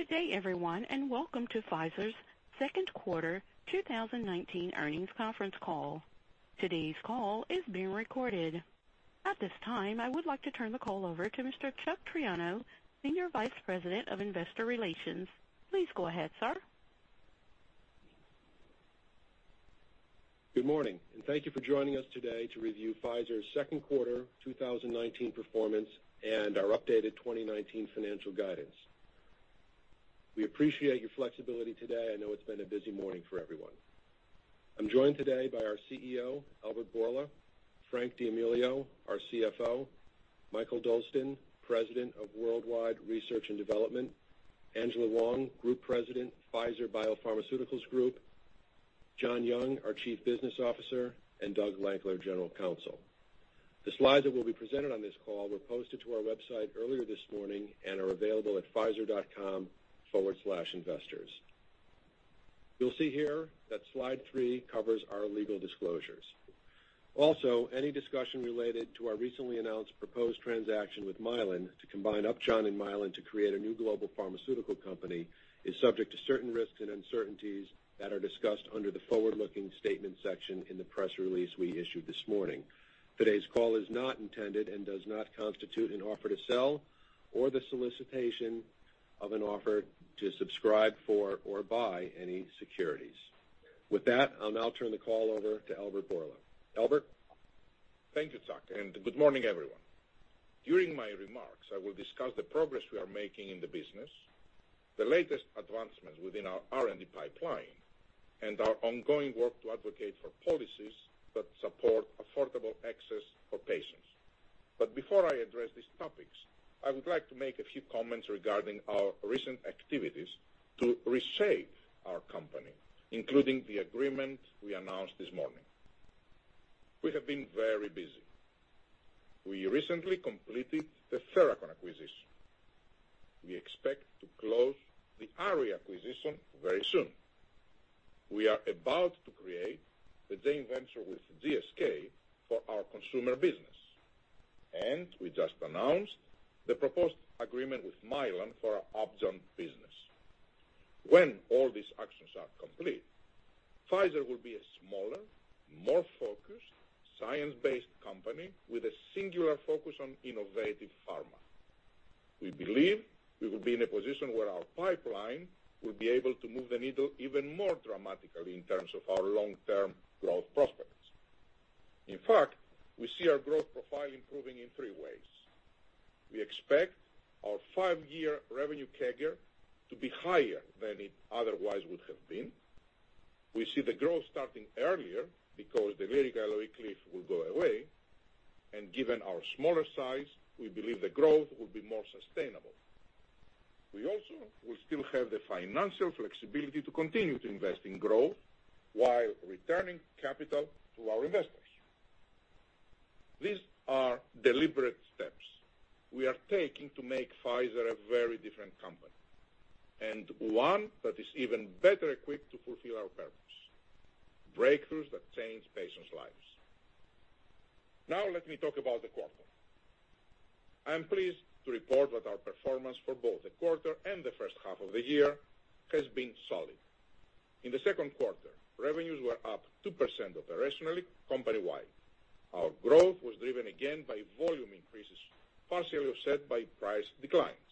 Good day, everyone. Welcome to Pfizer's second quarter 2019 earnings conference call. Today's call is being recorded. At this time, I would like to turn the call over to Mr. Chuck Triano, Senior Vice President of Investor Relations. Please go ahead, sir. Good morning. Thank you for joining us today to review Pfizer's second quarter 2019 performance and our updated 2019 financial guidance. We appreciate your flexibility today. I know it's been a busy morning for everyone. I'm joined today by our CEO, Albert Bourla, Frank D'Amelio, our CFO, Mikael Dolsten, President of Worldwide Research and Development, Angela Hwang, Group President, Pfizer Biopharmaceuticals Group, John Young, our Chief Business Officer, and Doug Lankler, General Counsel. The slides that will be presented on this call were posted to our website earlier this morning and are available at pfizer.com/investors. You'll see here that slide three covers our legal disclosures. Any discussion related to our recently announced proposed transaction with Mylan to combine Upjohn and Mylan to create a new global pharmaceutical company is subject to certain risks and uncertainties that are discussed under the forward-looking statement section in the press release we issued this morning. Today's call is not intended and does not constitute an offer to sell or the solicitation of an offer to subscribe for or buy any securities. With that, I'll now turn the call over to Albert Bourla. Albert? Thank you, Chuck, and good morning, everyone. During my remarks, I will discuss the progress we are making in the business, the latest advancements within our R&D pipeline, and our ongoing work to advocate for policies that support affordable access for patients. Before I address these topics, I would like to make a few comments regarding our recent activities to reshape our company, including the agreement we announced this morning. We have been very busy. We recently completed the Therachon acquisition. We expect to close the Array acquisition very soon. We are about to create the joint venture with GSK for our consumer business, and we just announced the proposed agreement with Mylan for our Upjohn business. When all these actions are complete, Pfizer will be a smaller, more focused, science-based company with a singular focus on innovative pharma. We believe we will be in a position where our pipeline will be able to move the needle even more dramatically in terms of our long-term growth prospects. We see our growth profile improving in three ways. We expect our five-year revenue CAGR to be higher than it otherwise would have been. We see the growth starting earlier because the LYRICA-LOE cliff will go away. Given our smaller size, we believe the growth will be more sustainable. We also will still have the financial flexibility to continue to invest in growth while returning capital to our investors. These are deliberate steps we are taking to make Pfizer a very different company, and one that is even better equipped to fulfill our purpose: breakthroughs that change patients' lives. Let me talk about the quarter. I am pleased to report that our performance for both the quarter and the first half of the year has been solid. In the second quarter, revenues were up 2% operationally company-wide. Our growth was driven again by volume increases, partially offset by price declines.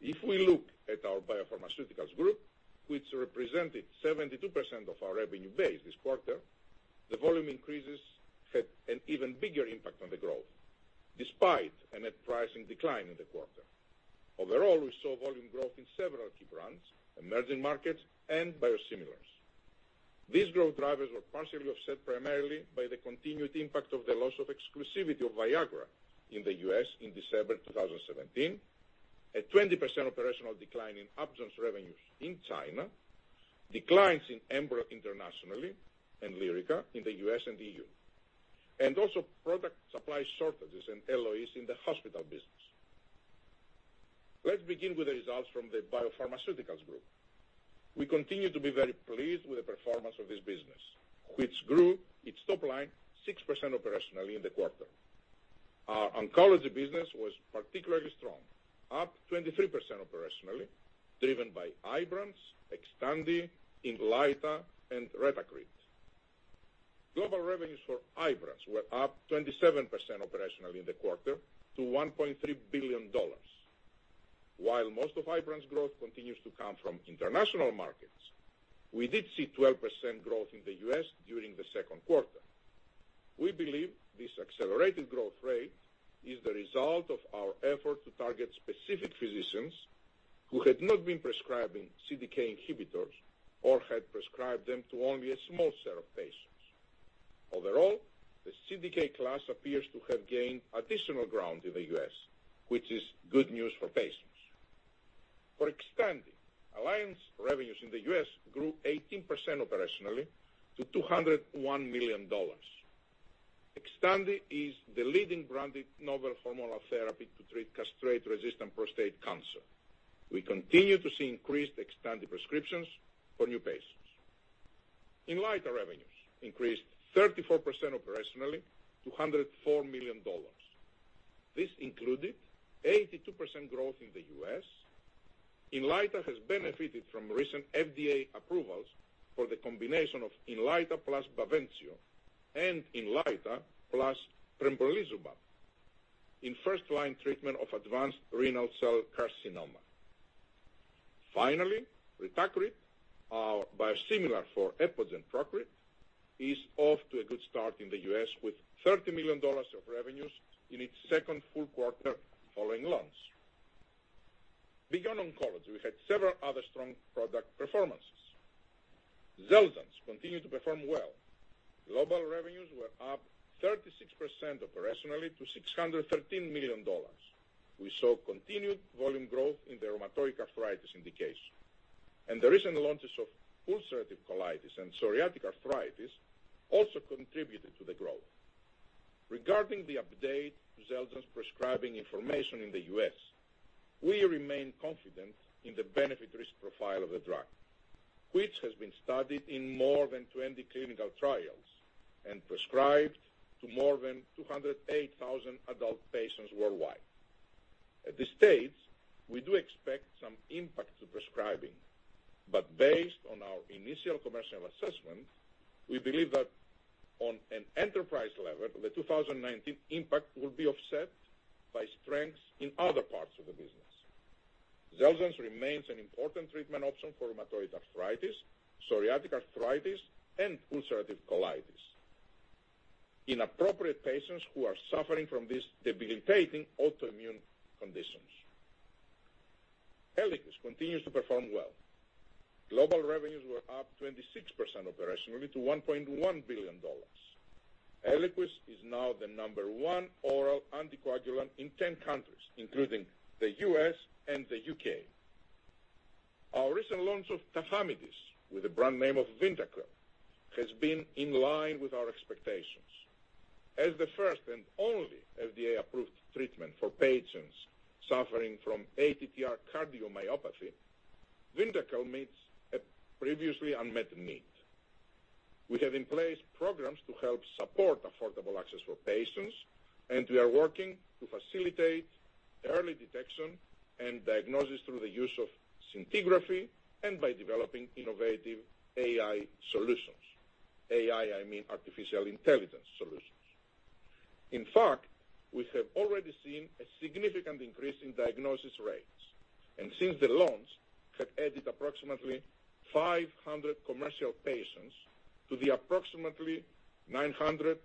If we look at our Biopharmaceuticals Group, which represented 72% of our revenue base this quarter, the volume increases had an even bigger impact on the growth, despite a net pricing decline in the quarter. Overall, we saw volume growth in several key brands, emerging markets, and biosimilars. These growth drivers were partially offset primarily by the continued impact of the loss of exclusivity of VIAGRA in the U.S. in December 2017, a 20% operational decline in Upjohn's revenues in China, declines in ENBREL internationally, and LYRICA in the U.S. and EU, and also product supply shortages and LOEs in the hospital business. Let's begin with the results from the Biopharmaceuticals Group. We continue to be very pleased with the performance of this business, which grew its top line 6% operationally in the quarter. Our oncology business was particularly strong, up 23% operationally, driven by IBRANCE, XTANDI, INLYTA, and RETACRIT. Global revenues for IBRANCE were up 27% operationally in the quarter to $1.3 billion. While most of IBRANCE growth continues to come from international markets, we did see 12% growth in the U.S. during the second quarter. We believe this accelerated growth rate is the result of our effort to target specific physicians who had not been prescribing CDK inhibitors or had prescribed them to only a small set of patients. Overall, the CDK class appears to have gained additional ground in the U.S., which is good news for patients. For XTANDI, alliance revenues in the U.S. grew 18% operationally to $201 million. XTANDI is the leading branded novel hormonal therapy to treat castrate-resistant prostate cancer. We continue to see increased XTANDI prescriptions for new patients. INLYTA revenues increased 34% operationally to $104 million. This included 82% growth in the U.S. INLYTA has benefited from recent FDA approvals for the combination of INLYTA plus BAVENCIO and INLYTA plus tremelimumab in first-line treatment of advanced renal cell carcinoma. RETACRIT, our biosimilar for Epogen Procrit, is off to a good start in the U.S. with $30 million of revenues in its second full quarter following launch. Beyond oncology, we had several other strong product performances. XELJANZ continued to perform well. Global revenues were up 36% operationally to $613 million. We saw continued volume growth in the rheumatoid arthritis indication, the recent launches of ulcerative colitis and psoriatic arthritis also contributed to the growth. Regarding the update to XELJANZ prescribing information in the U.S., we remain confident in the benefit-risk profile of the drug, which has been studied in more than 20 clinical trials and prescribed to more than 208,000 adult patients worldwide. At this stage, we do expect some impact to prescribing, based on our initial commercial assessment, we believe that on an enterprise level, the 2019 impact will be offset by strengths in other parts of the business. XELJANZ remains an important treatment option for rheumatoid arthritis, psoriatic arthritis, and ulcerative colitis in appropriate patients who are suffering from these debilitating autoimmune conditions. ELIQUIS continues to perform well. Global revenues were up 26% operationally to $1.1 billion. ELIQUIS is now the number one oral anticoagulant in 10 countries, including the U.S. and the U.K.. Our recent launch of tafamidis, with the brand name of VYNDAQEL, has been in line with our expectations. As the first and only FDA-approved treatment for patients suffering from ATTR cardiomyopathy, VYNDAQEL meets a previously unmet need. We have in place programs to help support affordable access for patients, and we are working to facilitate early detection and diagnosis through the use of scintigraphy and by developing innovative AI solutions. AI, I mean artificial intelligence solutions. In fact, we have already seen a significant increase in diagnosis rates, and since the launch have added approximately 500 commercial patients to the approximately 900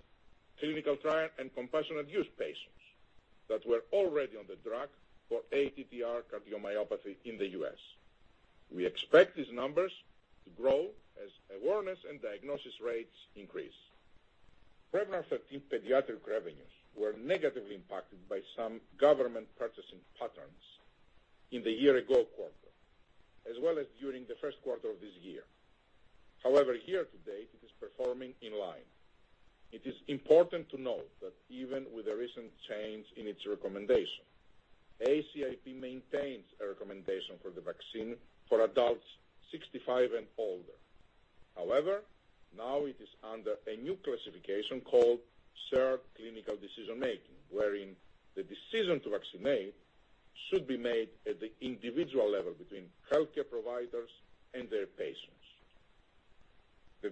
clinical trial and compassionate use patients that were already on the drug for ATTR cardiomyopathy in the U.S.. We expect these numbers to grow as awareness and diagnosis rates increase. PREVNAR 13 pediatric revenues were negatively impacted by some government purchasing patterns in the year-ago quarter, as well as during the first quarter of this year. However, year-to-date, it is performing in line. It is important to note that even with the recent change in its recommendation, ACIP maintains a recommendation for the vaccine for adults 65 and older. However, now it is under a new classification called shared clinical decision-making, wherein the decision to vaccinate should be made at the individual level between healthcare providers and their patients. The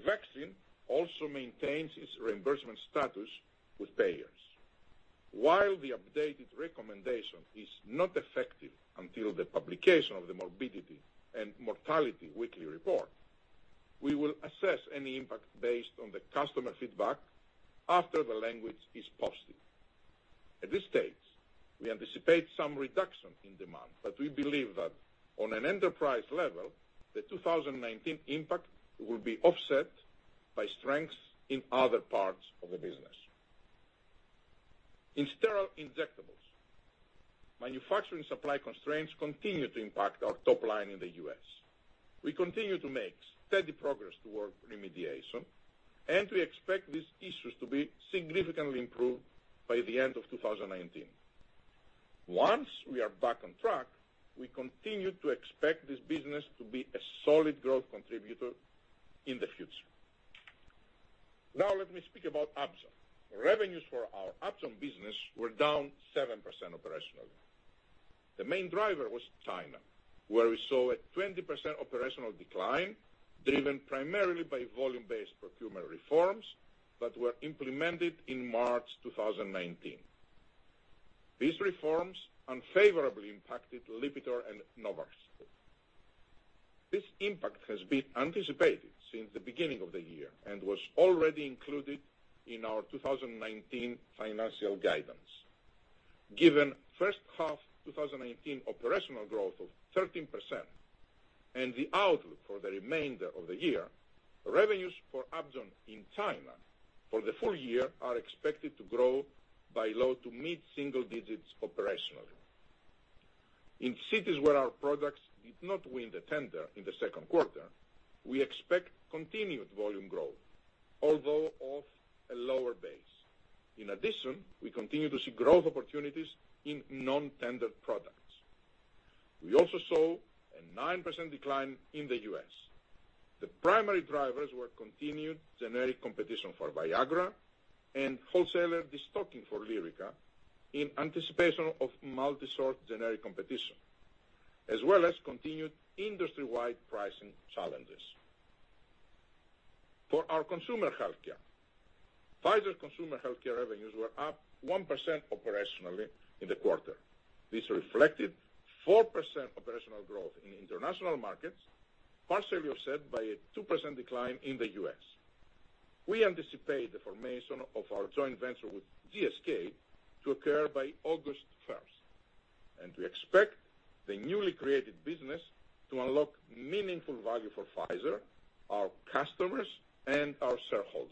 vaccine also maintains its reimbursement status with payers. While the updated recommendation is not effective until the publication of the Morbidity and Mortality Weekly Report, we will assess any impact based on the customer feedback after the language is posted. At this stage, we anticipate some reduction in demand, but we believe that on an enterprise level, the 2019 impact will be offset by strengths in other parts of the business. In sterile injectables, manufacturing supply constraints continue to impact our top line in the U.S.. We continue to make steady progress toward remediation, and we expect these issues to be significantly improved by the end of 2019. Once we are back on track, we continue to expect this business to be a solid growth contributor in the future. Now let me speak about Upjohn. Revenues for our Upjohn business were down 7% operationally. The main driver was China, where we saw a 20% operational decline, driven primarily by volume-based procurement reforms that were implemented in March 2019. These reforms unfavorably impacted LIPITOR and NORVASC. This impact has been anticipated since the beginning of the year and was already included in our 2019 financial guidance. Given first-half 2019 operational growth of 13% and the outlook for the remainder of the year, revenues for Upjohn in China for the full-year are expected to grow by low to mid-single digits operationally. In cities where our products did not win the tender in the second quarter, we expect continued volume growth, although off a lower base. In addition, we continue to see growth opportunities in non-tendered products. We also saw a 9% decline in the U.S.. The primary drivers were continued generic competition for VIAGRA and wholesaler destocking for LYRICA in anticipation of multi-source generic competition, as well as continued industry-wide pricing challenges. For our Consumer Healthcare, Pfizer Consumer Healthcare revenues were up 1% operationally in the quarter. This reflected 4% operational growth in international markets, partially offset by a 2% decline in the U.S. We anticipate the formation of our joint venture with GSK to occur by August 1st. We expect the newly created business to unlock meaningful value for Pfizer, our customers, and our shareholders.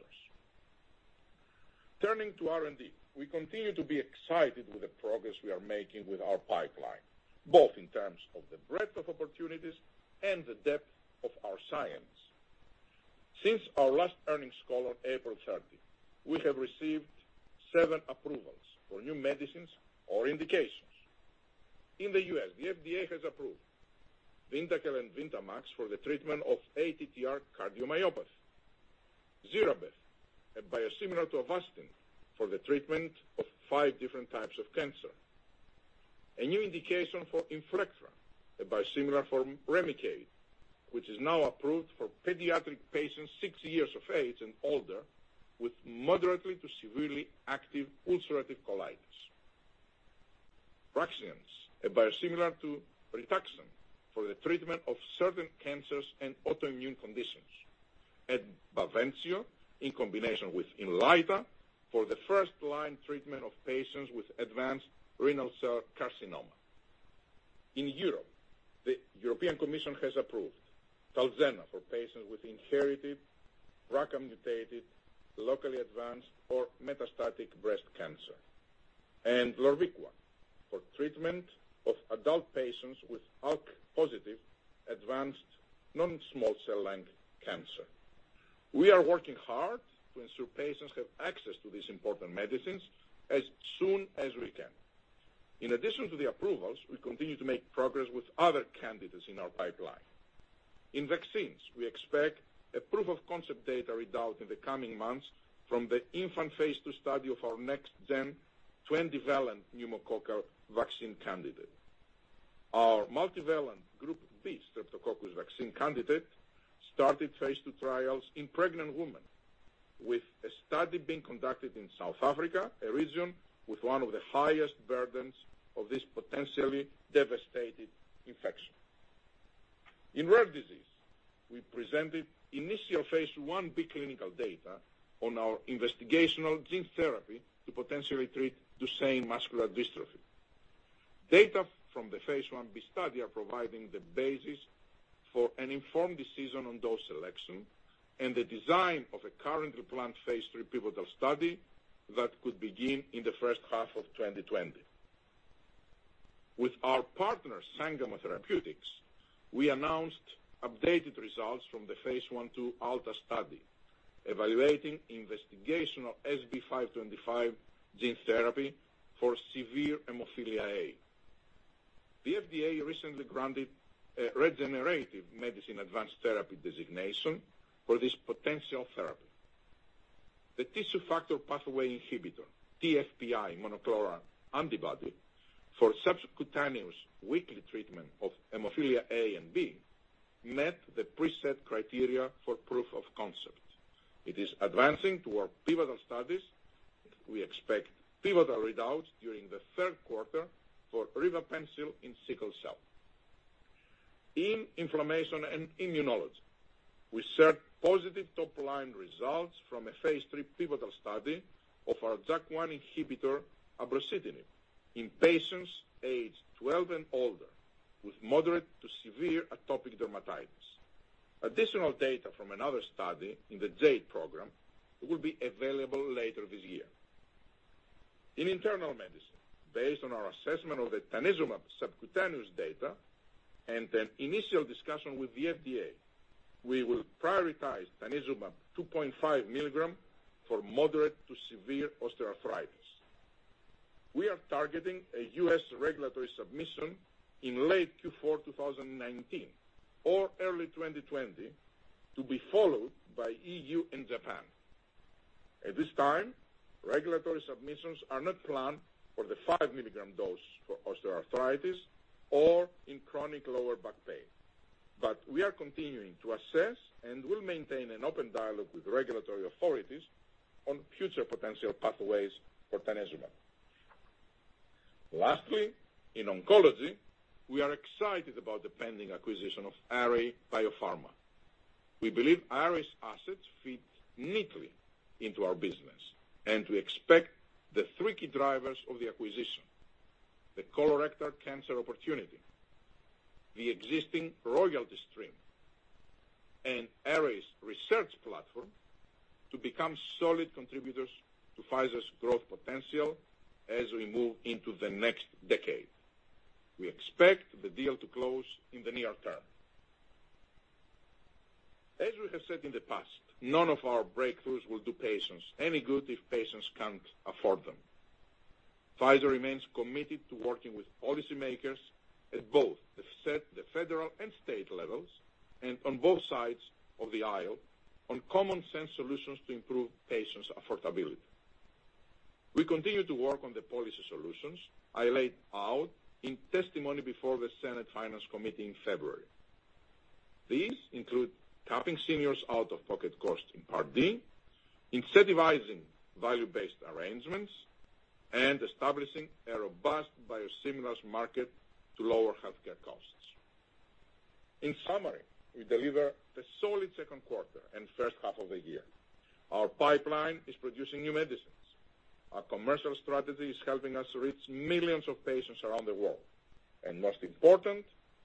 Turning to R&D, we continue to be excited with the progress we are making with our pipeline, both in terms of the breadth of opportunities and the depth of our science. Since our last earnings call on April 30, we have received seven approvals for new medicines or indications. In the U.S., the FDA has approved VYNDAQEL and VYNDAMAX for the treatment of ATTR cardiomyopathy. ZIRABEV, a biosimilar to AVASTIN for the treatment of five different types of cancer. A new indication for INFLECTRA, a biosimilar for REMICADE, which is now approved for pediatric patients six years of age and older with moderately to severely active ulcerative colitis. RUXIENCE, a biosimilar to RITUXAN for the treatment of certain cancers and autoimmune conditions. BAVENCIO in combination with INLYTA for the first-line treatment of patients with advanced renal cell carcinoma. In Europe, the European Commission has approved TALZENNA for patients with inherited BRCA mutated, locally advanced or metastatic breast cancer. LORVIQUA for treatment of adult patients with ALK-positive advanced non-small cell lung cancer. We are working hard to ensure patients have access to these important medicines as soon as we can. In addition to the approvals, we continue to make progress with other candidates in our pipeline. In vaccines, we expect a proof-of-concept data readout in the coming months from the infant phase II study of our next-gen 20-valent pneumococcal vaccine candidate. Our multivalent group B streptococcus vaccine candidate started phase II trials in pregnant women with a study being conducted in South Africa, a region with one of the highest burdens of this potentially devastating infection. In rare disease, we presented initial phase I-B clinical data on our investigational gene therapy to potentially treat Duchenne muscular dystrophy. Data from the phase I-B study are providing the basis for an informed decision on dose selection and the design of a currently planned phase III pivotal study that could begin in the first half of 2020. With our partner, Sangamo Therapeutics, we announced updated results from the phase I/II Alta study evaluating investigational SB-525 gene therapy for severe hemophilia A. The FDA recently granted a Regenerative Medicine Advanced Therapy designation for this potential therapy. The tissue factor pathway inhibitor, TFPI, monoclonal antibody for subcutaneous weekly treatment of hemophilia A and B met the preset criteria for proof of concept. It is advancing toward pivotal studies. We expect pivotal readouts during the third quarter for rivipansel in sickle cell. In inflammation and immunology, we share positive top-line results from a phase III pivotal study of our JAK1 inhibitor, abrocitinib, in patients aged 12 and older with moderate to severe atopic dermatitis. Additional data from another study in the JADE program will be available later this year. In internal medicine, based on our assessment of the tanezumab subcutaneous data and an initial discussion with the FDA, we will prioritize tanezumab 2.5 mg for moderate to severe osteoarthritis. We are targeting a U.S. regulatory submission in late Q4 2019 or early 2020, to be followed by EU and Japan. At this time, regulatory submissions are not planned for the 5-mg dose for osteoarthritis or in chronic lower back pain. We are continuing to assess and will maintain an open dialogue with regulatory authorities on future potential pathways for tanezumab. Lastly, in oncology, we are excited about the pending acquisition of Array BioPharma. We believe Array's assets fit neatly into our business, and we expect the three key drivers of the acquisition, the colorectal cancer opportunity, the existing royalty stream, and Array's research platform to become solid contributors to Pfizer's growth potential as we move into the next decade. We expect the deal to close in the near term. As we have said in the past, none of our breakthroughs will do patients any good if patients can't afford them. Pfizer remains committed to working with policymakers at both the federal and state levels, and on both sides of the aisle, on common sense solutions to improve patients' affordability. We continue to work on the policy solutions I laid out in testimony before the Senate Finance Committee in February. These include capping seniors' out-of-pocket cost in Part D, incentivizing value-based arrangements, and establishing a robust biosimilars market to lower healthcare costs. In summary, we deliver a solid second quarter and first half of the year. Our pipeline is producing new medicines. Our commercial strategy is helping us reach millions of patients around the world. Most important,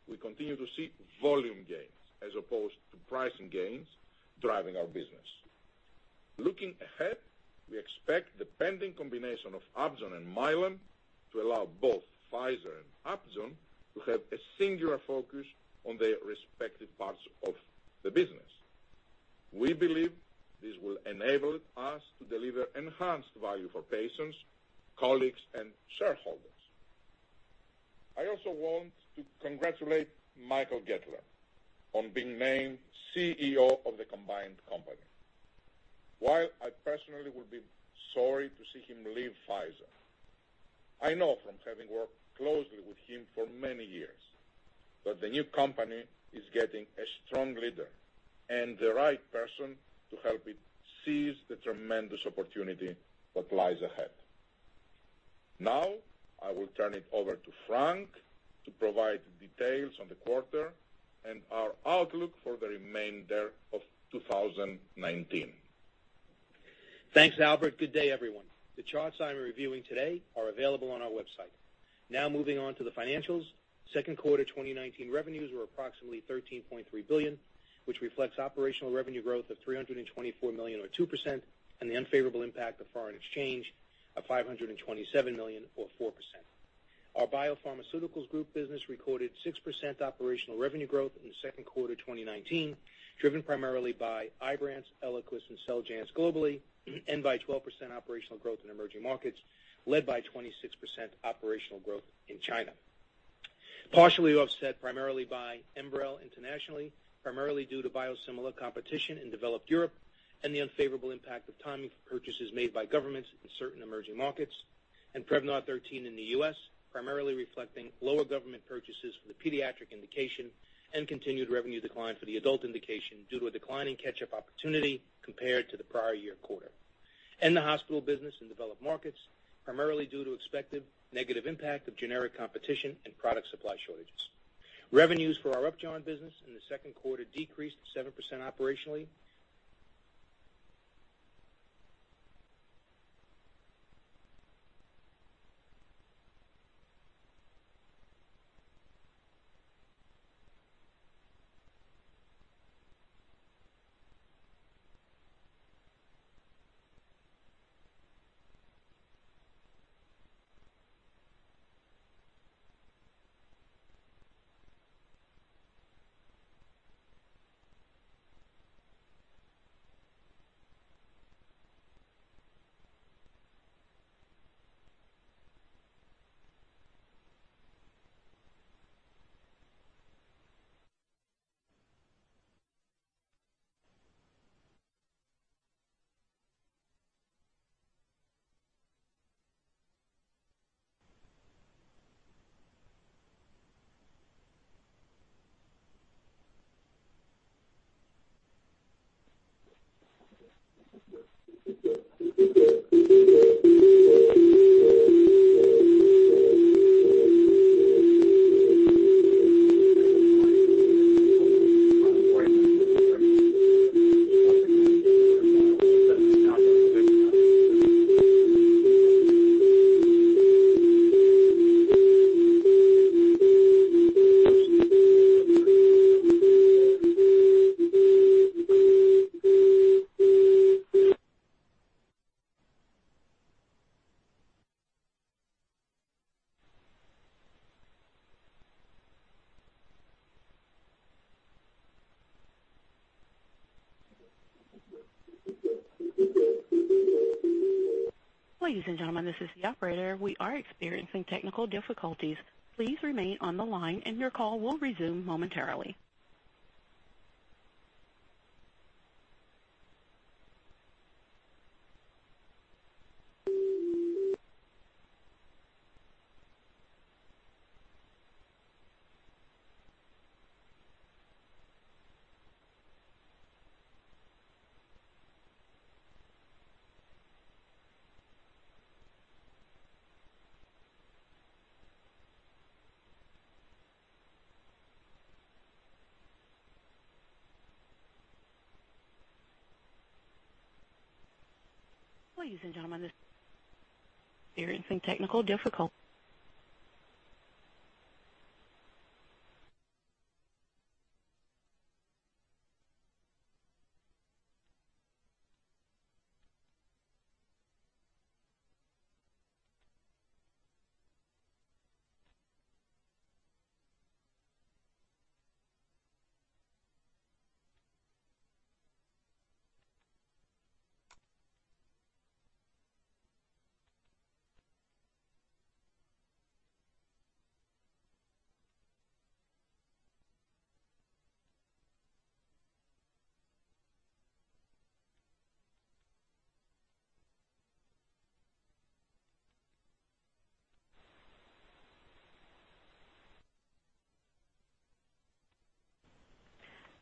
we continue to see volume gains as opposed to pricing gains driving our business. Looking ahead, we expect the pending combination of Upjohn and Mylan to allow both Pfizer and Upjohn to have a singular focus on their respective parts of the business. We believe this will enable us to deliver enhanced value for patients, colleagues, and shareholders. I also want to congratulate Michael Goettler on being named CEO of the combined company. While I personally will be sorry to see him leave Pfizer, I know from having worked closely with him for many years that the new company is getting a strong leader and the right person to help it seize the tremendous opportunity that lies ahead. I will turn it over to Frank to provide details on the quarter and our outlook for the remainder of 2019. Thanks, Albert. Good day, everyone. The charts I'm reviewing today are available on our website. Moving on to the financials. Second quarter 2019 revenues were approximately $13.3 billion, which reflects operational revenue growth of $324 million or 2%, and the unfavorable impact of foreign exchange of $527 million or 4%. Our Biopharmaceuticals Group business recorded 6% operational revenue growth in the second quarter 2019, driven primarily by IBRANCE, ELIQUIS and XELJANZ entry globally, and by 12% operational growth in emerging markets, led by 26% operational growth in China. Partially offset primarily by ENBREL internationally, primarily due to biosimilar competition in developed Europe and the unfavorable impact of timing for purchases made by governments in certain emerging markets, and PREVNAR 13 in the U.S., primarily reflecting lower government purchases for the pediatric indication and continued revenue decline for the adult indication due to a decline in catch-up opportunity compared to the prior year quarter. The hospital business in developed markets, primarily due to expected negative impact of generic competition and product supply shortages. Revenues for our Upjohn business in the second quarter decreased 7% operationally. Ladies and gentlemen, this is the operator. We are experiencing technical difficulties. Please remain on the line and your call will resume momentarily.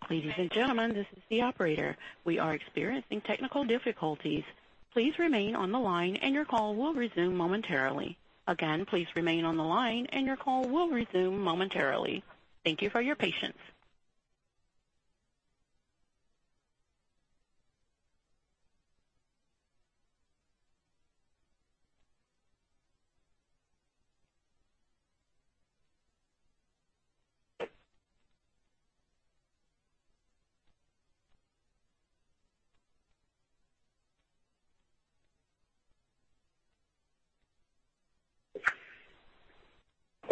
Ladies and gentlemen, this is the operator. We are experiencing technical difficulties. Please remain on the line and your call will resume momentarily. Again, please remain on the line and your call will resume momentarily. Thank you for your patience.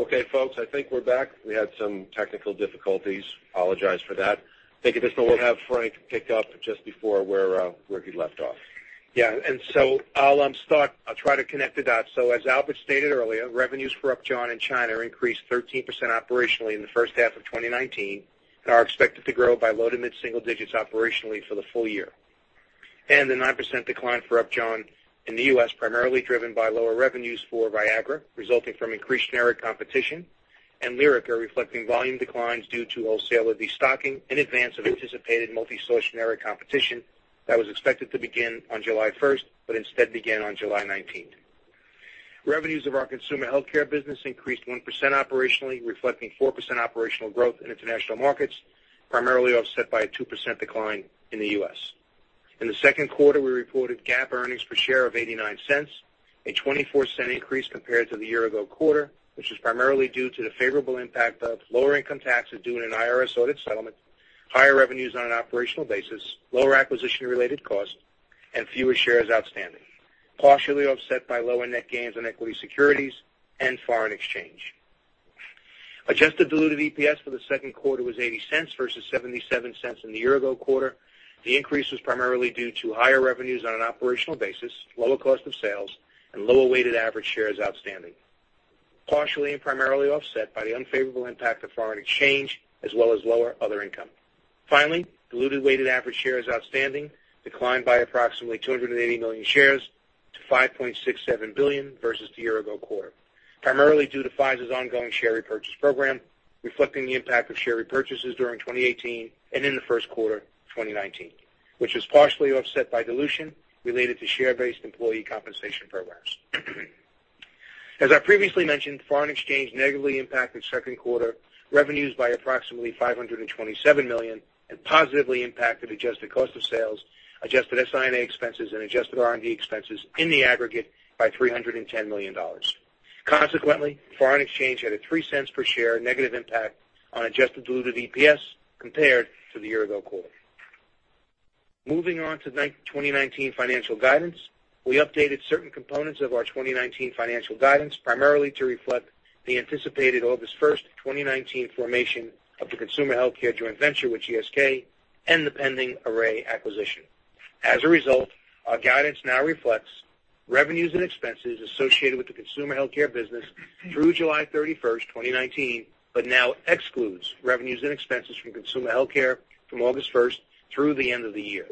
Okay, folks, I think we're back. We had some technical difficulties. Apologize for that. Think at this point we'll have Frank pick up just before where he left off. Yeah. I'll start. I'll try to connect the dots. As Albert stated earlier, revenues for Upjohn in China increased 13% operationally in the first half of 2019 and are expected to grow by low to mid-single digits operationally for the full-year. The 9% decline for Upjohn in the U.S., primarily driven by lower revenues for VIAGRA, resulting from increased generic competition, and LYRICA reflecting volume declines due to wholesaler destocking in advance of anticipated multi-source generic competition that was expected to begin on July 1st, but instead began on July 19th. Revenues of our Consumer Healthcare business increased 1% operationally, reflecting 4% operational growth in international markets, primarily offset by a 2% decline in the U.S.. In the second quarter, we reported GAAP earnings per share of $0.89, a $0.24 increase compared to the year-ago quarter, which is primarily due to the favorable impact of lower income taxes due to an IRS audit settlement, higher revenues on an operational basis, lower acquisition-related costs, and fewer shares outstanding, partially offset by lower net gains on equity securities and foreign exchange. Adjusted diluted EPS for the second quarter was $0.80 versus $0.77 in the year-ago quarter. The increase was primarily due to higher revenues on an operational basis, lower cost of sales, and lower weighted average shares outstanding, partially and primarily offset by the unfavorable impact of foreign exchange as well as lower other income. Diluted weighted average shares outstanding declined by approximately 280 million shares to 5.67 billion versus the year-ago quarter, primarily due to Pfizer's ongoing share repurchase program, reflecting the impact of share repurchases during 2018 and in the first quarter of 2019, which was partially offset by dilution related to share-based employee compensation programs. As I previously mentioned, foreign exchange negatively impacted second quarter revenues by approximately $527 million and positively impacted adjusted cost of sales, adjusted SI&A expenses, and adjusted R&D expenses in the aggregate by $310 million. Foreign exchange had a $0.03 per share negative impact on adjusted diluted EPS compared to the year-ago quarter. Moving on to 2019 financial guidance. We updated certain components of our 2019 financial guidance primarily to reflect the anticipated August 1st, 2019 formation of the Consumer Healthcare joint venture with GSK and the pending Array acquisition. Our guidance now reflects revenues and expenses associated with the Consumer Healthcare business through July 31st, 2019, but now excludes revenues and expenses from Consumer Healthcare from August 1st through the end of the year.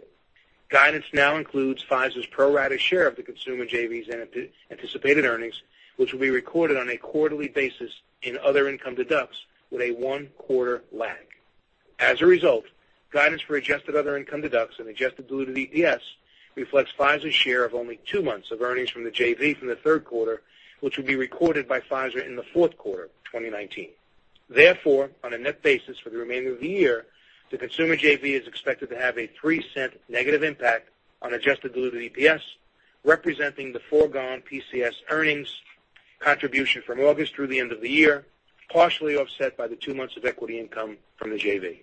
Guidance now includes Pfizer's pro rata share of the consumer JV's anticipated earnings, which will be recorded on a quarterly basis in other income deductions with a one-quarter lag. Guidance for adjusted other income deductions and adjusted diluted EPS reflects Pfizer's share of only two months of earnings from the JV from the third quarter, which will be recorded by Pfizer in the fourth quarter of 2019. Therefore, on a net basis for the remainder of the year, the consumer JV is expected to have a $0.03 negative impact on adjusted diluted EPS, representing the foregone PCH earnings contribution from August through the end of the year, partially offset by the two months of equity income from the JV.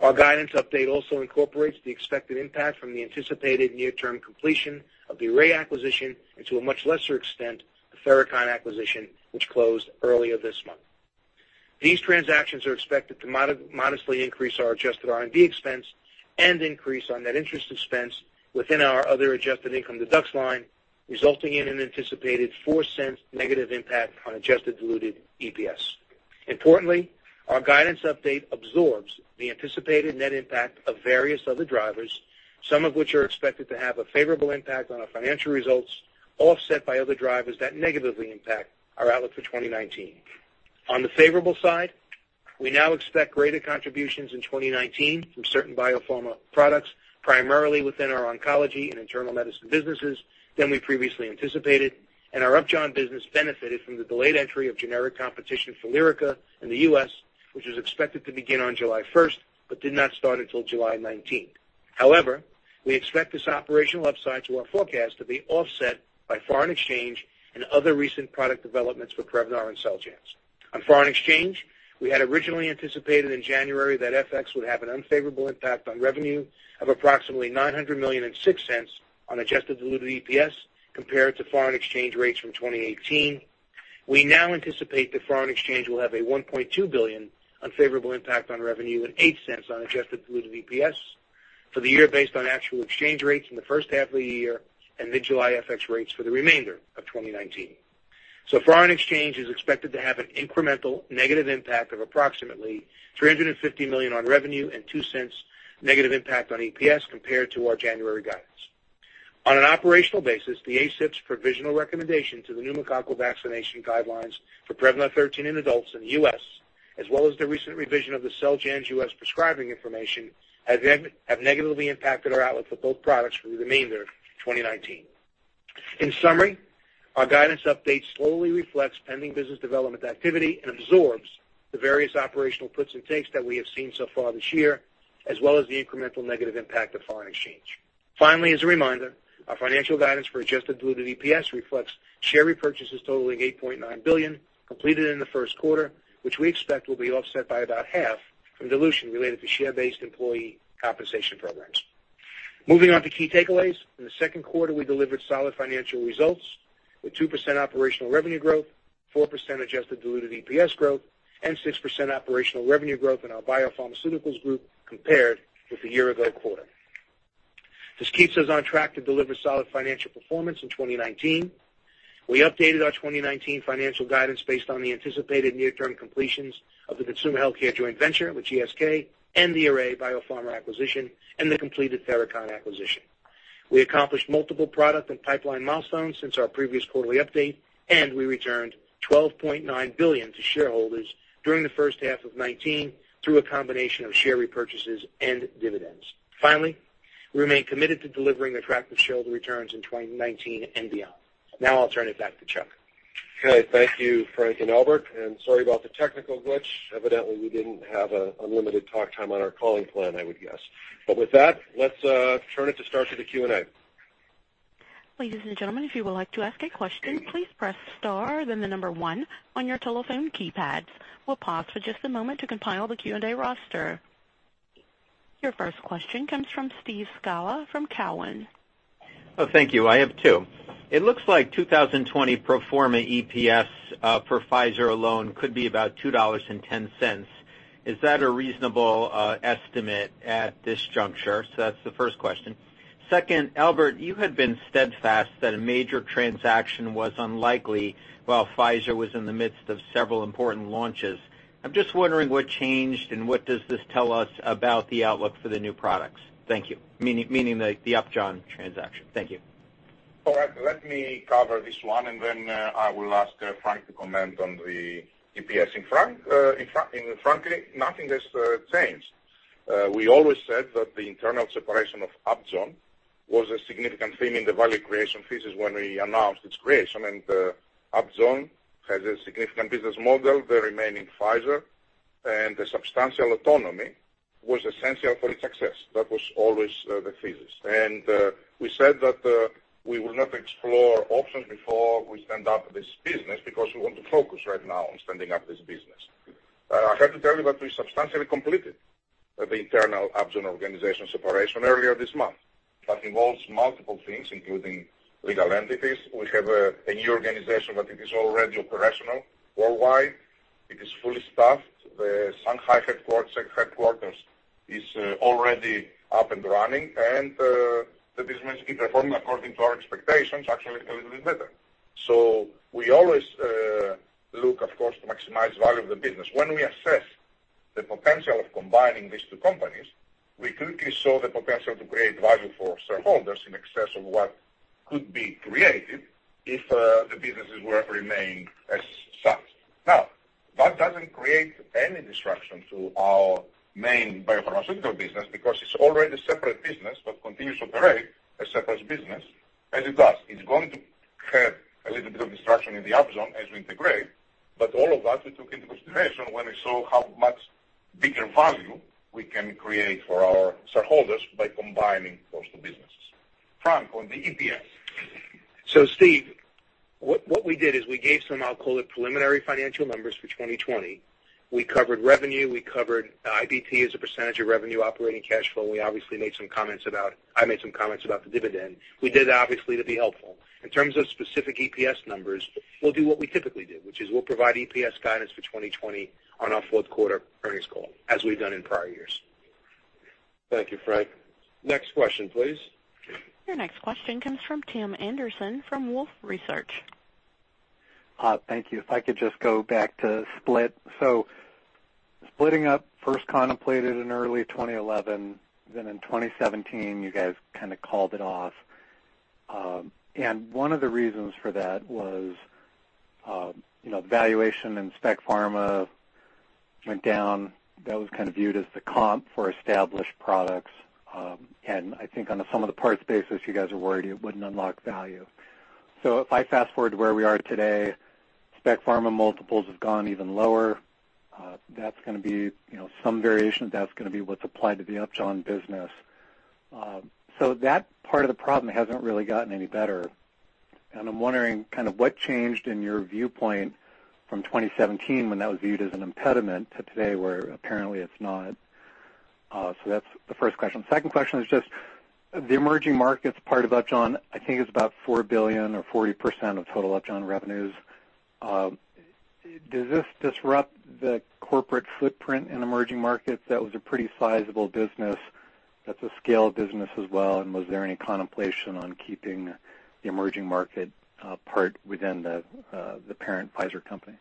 Our guidance update also incorporates the expected impact from the anticipated near-term completion of the Array acquisition and to a much lesser extent, the Therachon acquisition, which closed earlier this month. These transactions are expected to modestly increase our adjusted R&D expense and increase on net interest expense within our other income deductions line, resulting in an anticipated $0.04 negative impact on adjusted diluted EPS. Importantly, our guidance update absorbs the anticipated net impact of various other drivers, some of which are expected to have a favorable impact on our financial results, offset by other drivers that negatively impact our outlook for 2019. On the favorable side, we now expect greater contributions in 2019 from certain biopharma products, primarily within our oncology and internal medicine businesses than we previously anticipated, and our Upjohn business benefited from the delayed entry of generic competition for LYRICA in the U.S., which was expected to begin on July 1st but did not start until July 19th. We expect this operational upside to our forecast to be offset by foreign exchange and other recent product developments with PREVNAR and XELJANZ's entry. We had originally anticipated in January that FX would have an unfavorable impact on revenue of approximately $900 million and $0.06 on adjusted diluted EPS compared to foreign exchange rates from 2018. We now anticipate that foreign exchange will have a $1.2 billion unfavorable impact on revenue and $0.08 on adjusted diluted EPS for the year based on actual exchange rates in the first half of the year and mid-July FX rates for the remainder of 2019. Foreign exchange is expected to have an incremental negative impact of approximately $350 million on revenue and $0.02 negative impact on EPS compared to our January guidance. On an operational basis, the ACIP's provisional recommendation to the pneumococcal vaccination guidelines for PREVNAR 13 in adults in the U.S., as well as the recent revision of XELJANZ's U.S. prescribing information, have negatively impacted our outlook for both products for the remainder of 2019. In summary, our guidance update solely reflects pending business development activity and absorbs the various operational puts and takes that we have seen so far this year, as well as the incremental negative impact of foreign exchange. Finally, as a reminder, our financial guidance for adjusted diluted EPS reflects share repurchases totaling $8.9 billion completed in the first quarter, which we expect will be offset by about half from dilution related to share-based employee compensation programs. Moving on to key takeaways. In the second quarter, we delivered solid financial results with 2% operational revenue growth, 4% adjusted diluted EPS growth, and 6% operational revenue growth in our Biopharmaceuticals Group compared with the year-ago quarter. This keeps us on track to deliver solid financial performance in 2019. We updated our 2019 financial guidance based on the anticipated near-term completions of the Consumer Healthcare joint venture with GSK and the Array BioPharma acquisition and the completed Therachon acquisition. We accomplished multiple product and pipeline milestones since our previous quarterly update. We returned $12.9 billion to shareholders during the first half of 2019 through a combination of share repurchases and dividends. Finally, we remain committed to delivering attractive shareholder returns in 2019 and beyond. Now I'll turn it back to Chuck. Okay. Thank you, Frank and Albert. Sorry about the technical glitch. Evidently, we didn't have unlimited talk time on our calling plan, I would guess. With that, let's turn it to start to the Q&A. Ladies and gentlemen, if you would like to ask a question, please press star then the number one on your telephone keypads. We'll pause for just a moment to compile the Q&A roster. Your first question comes from Steve Scala from Cowen. Oh, thank you. I have two. It looks like 2020 pro forma EPS for Pfizer alone could be about $2.10. Is that a reasonable estimate at this juncture? That's the first question. Second, Albert, you had been steadfast that a major transaction was unlikely while Pfizer was in the midst of several important launches. I'm just wondering what changed and what does this tell us about the outlook for the new products? Thank you. Meaning the Upjohn transaction. Thank you. All right. Then I will ask Frank to comment on the EPS. Frankly, nothing has changed. We always said that the internal separation of Upjohn was a significant theme in the value creation thesis when we announced its creation, and Upjohn has a significant business model, the remaining Pfizer, and the substantial autonomy was essential for its success. That was always the thesis. We said that we will not explore options before we stand up this business because we want to focus right now on standing up this business. I have to tell you that we substantially completed the internal Upjohn organization separation earlier this month. That involves multiple things, including legal entities. We have a new organization that it is already operational worldwide. It is fully staffed. The Shanghai headquarters is already up and running, and the business is performing according to our expectations, actually a little bit better. We always look, of course, to maximize value of the business. When we assess the potential of combining these two companies, we quickly saw the potential to create value for shareholders in excess of what could be created if the businesses were to remain as such. That doesn't create any disruption to our main biopharmaceutical business because it's already a separate business but continues to operate a separate business as it does. It's going to have a little bit of disruption in the Upjohn as we integrate, all of that we took into consideration when we saw how much bigger value we can create for our shareholders by combining those two businesses. Frank, on the EPS. Steve, what we did is we gave some, I'll call it, preliminary financial numbers for 2020. We covered revenue, we covered IBT as a percentage of revenue, operating cash flow. We obviously made some comments about the dividend. We did obviously to be helpful. In terms of specific EPS numbers, we'll do what we typically do, which is we'll provide EPS guidance for 2020 on our fourth quarter earnings call as we've done in prior years. Thank you, Frank. Next question, please. Your next question comes from Tim Anderson from Wolfe Research. Thank you. If I could just go back to split. Splitting up first contemplated in early 2011, then in 2017 you guys kind of called it off. One of the reasons for that was valuation in spec pharma went down. That was kind of viewed as the comp for established products. I think on a some of the parts basis, you guys were worried it wouldn't unlock value. If I fast-forward to where we are today, spec pharma multiples have gone even lower. Some variation of that's going to be what's applied to the Upjohn business. That part of the problem hasn't really gotten any better. I'm wondering what changed in your viewpoint from 2017 when that was viewed as an impediment to today, where apparently it's not? That's the first question. Second question is just the emerging markets part of Upjohn, I think is about $4 billion or 40% of total Upjohn revenues. Does this disrupt the corporate footprint in emerging markets? That was a pretty sizable business. That's a scale business as well, was there any contemplation on keeping the emerging market part within the parent Pfizer company?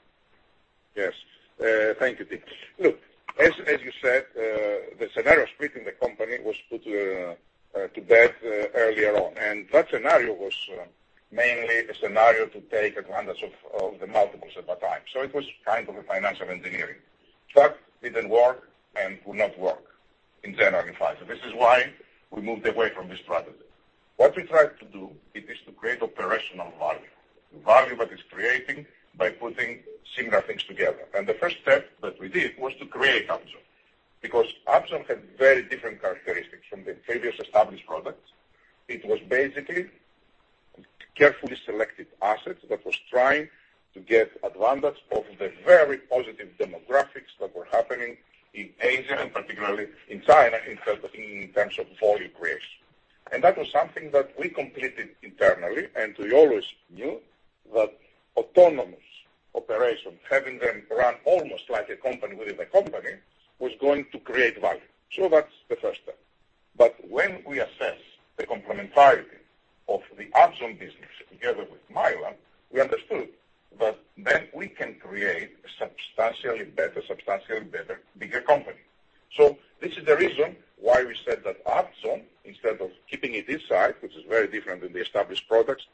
Yes. Thank you, Tim. Look, as you said, the scenario of splitting the company was put to bed earlier on. That scenario was mainly a scenario to take advantage of the multiples at that time. It was kind of a financial engineering. That didn't work and would not work in general in Pfizer. This is why we moved away from this strategy. What we tried to do is to create operational value. Value that is creating by putting similar things together. The first step that we did was to create Upjohn, because Upjohn had very different characteristics from the previous established products. It was basically carefully selected assets that was trying to get advantage of the very positive demographics that were happening in Asia and particularly in China in terms of volume creation. That was something that we completed internally, and we always knew that autonomous operations, having them run almost like a company within a company, was going to create value. That's the first step. When we assess the complementarity of the Upjohn business together with Mylan, we understood that then we can create a substantially better, bigger company. This is the reason why we said that Upjohn, instead of keeping it inside, which is very different than the established products,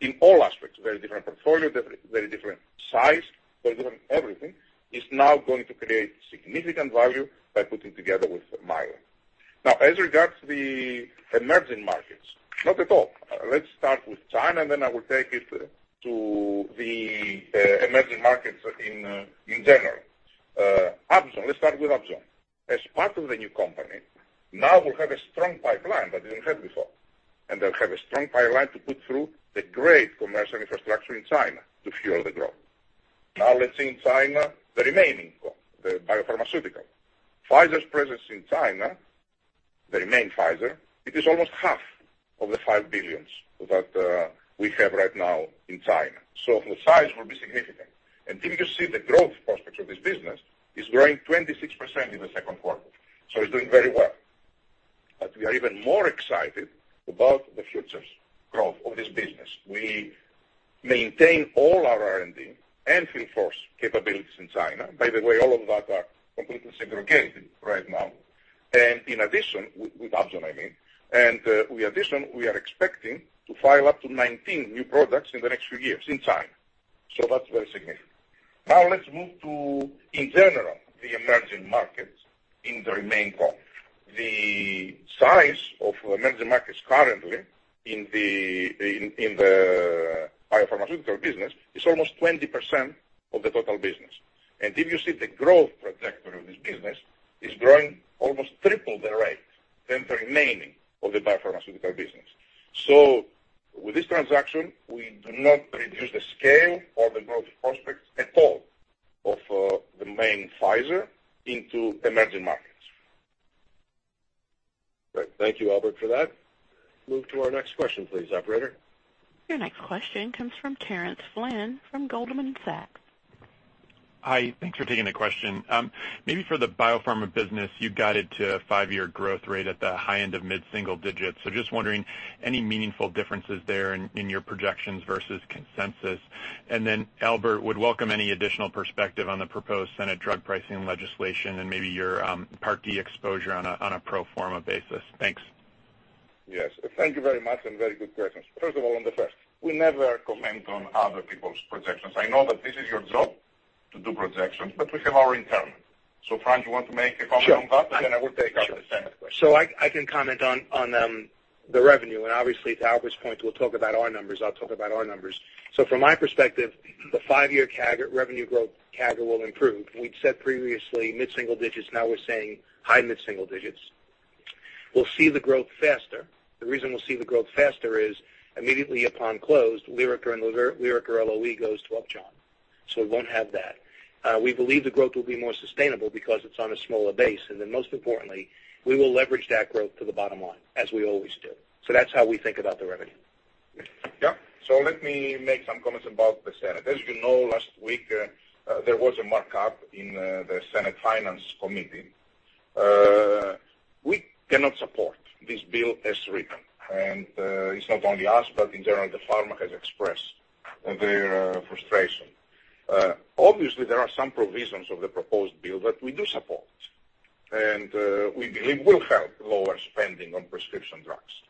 in all aspects, very different portfolio, very different size, very different everything, is now going to create significant value by putting together with Mylan. As regards the emerging markets, not at all. Let's start with China, and then I will take it to the emerging markets in general. Upjohn. Let's start with Upjohn. As part of the new company, we'll have a strong pipeline that we didn't have before, and they'll have a strong pipeline to put through the great commercial infrastructure in China to fuel the growth. Let's see in China, the biopharmaceutical. Pfizer's presence in China, it is almost half of the $5 billion that we have right now in China. The size will be significant. You see the growth prospects of this business is growing 26% in the second quarter. We are even more excited about the future growth of this business. We maintain all our R&D and field force capabilities in China. By the way, all of that are completely segregated right now. In addition, with Upjohn, I mean, we are expecting to file up to 19 new products in the next few years in China. That's very significant. Let's move to, in general, the emerging markets in the remaining co. The size of emerging markets currently in the biopharmaceutical business is almost 20% of the total business. If you see the growth trajectory of this business, it's growing almost triple the rate than the remaining of the biopharmaceutical business. With this transaction, we do not reduce the scale or the growth prospects at all of the main Pfizer into emerging markets. Great. Thank you, Albert, for that. Move to our next question, please, operator. Your next question comes from Terence Flynn from Goldman Sachs. Hi, thanks for taking the question. Maybe for the biopharma business, you guided to a five-year growth rate at the high end of mid-single digits. Just wondering, any meaningful differences there in your projections versus consensus? Albert, would welcome any additional perspective on the proposed Senate drug pricing legislation and maybe your Part D exposure on a pro forma basis. Thanks. Yes. Thank you very much and very good questions. First of all, on the first, we never comment on other people's projections. I know that this is your job to do projections, but we have our internal. Frank, you want to make a comment on that? Sure. I will take up the second question. I can comment on the revenue and obviously to Albert's point, we'll talk about our numbers. I'll talk about our numbers. From my perspective, the five-year revenue growth CAGR will improve. We'd said previously mid-single digits. Now we're saying high mid-single digits. We'll see the growth faster. The reason we'll see the growth faster is immediately upon close, LYRICA and LYRICA-LOE goes to Upjohn. We won't have that. We believe the growth will be more sustainable because it's on a smaller base, and then most importantly, we will leverage that growth to the bottom line, as we always do. That's how we think about the revenue. Yeah. Let me make some comments about the Senate. As you know, last week, there was a markup in the Senate Finance Committee. We cannot support this bill as written. It's not only us, but in general, the pharma has expressed their frustration. Obviously, there are some provisions of the proposed bill that we do support and we believe will help lower spending on prescription drugs,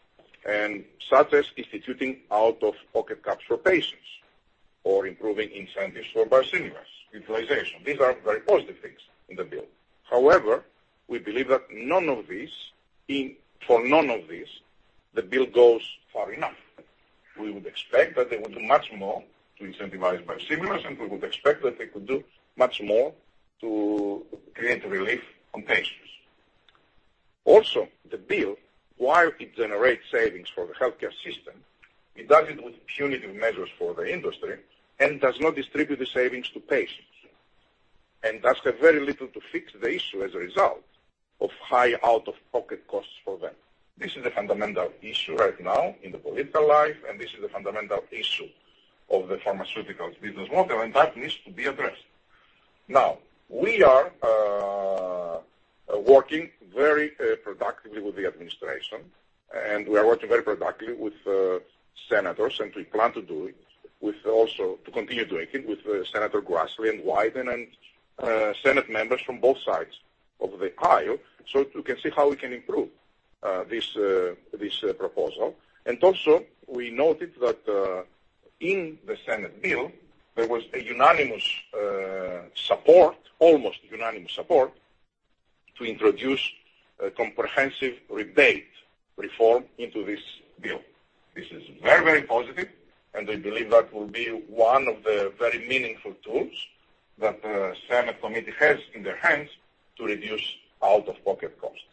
and such as instituting out-of-pocket caps for patients or improving incentives for biosimilars utilization. These are very positive things in the bill. We believe that for none of these, the bill goes far enough. We would expect that they would do much more to incentivize biosimilars, and we would expect that they could do much more to create relief on patients. Also, the bill, while it generates savings for the healthcare system, it does it with punitive measures for the industry and does not distribute the savings to patients. Does very little to fix the issue as a result of high out-of-pocket costs for them. This is a fundamental issue right now in the political life, and this is a fundamental issue of the pharmaceuticals business model, and that needs to be addressed. Now, we are working very productively with the administration, and we are working very productively with senators, and we plan to continue doing it with Senator Grassley and Wyden and Senate members from both sides of the aisle so we can see how we can improve this proposal. Also, we noted that in the Senate bill, there was almost unanimous support to introduce a comprehensive rebate reform into this bill. This is very positive, and I believe that will be one of the very meaningful tools that the Senate committee has in their hands to reduce out-of-pocket costs.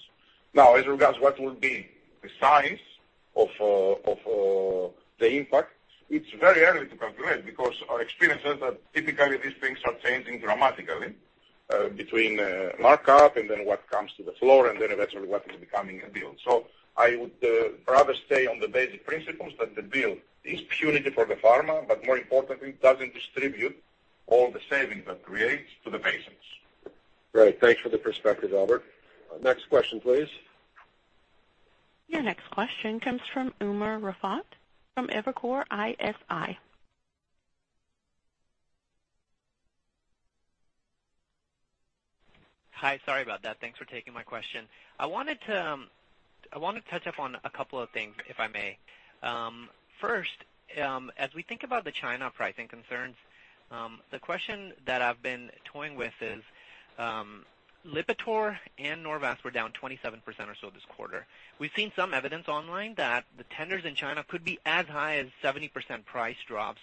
As regards what will be the size of the impact, it's very early to calculate because our experience is that typically these things are changing dramatically between markup and then what comes to the floor and then eventually what is becoming a bill. I would rather stay on the basic principles that the bill is punitive for the pharma, but more importantly, it doesn't distribute all the savings it creates to the patients. Great. Thanks for the perspective, Albert. Next question, please. Your next question comes from Umer Raffat from Evercore ISI. Hi. Sorry about that. Thanks for taking my question. I wanted to touch up on a couple of things, if I may. As we think about the China pricing concerns, the question that I've been toying with is, LIPITOR and NORVASC were down 27% or so this quarter. We've seen some evidence online that the tenders in China could be as high as 70% price drop.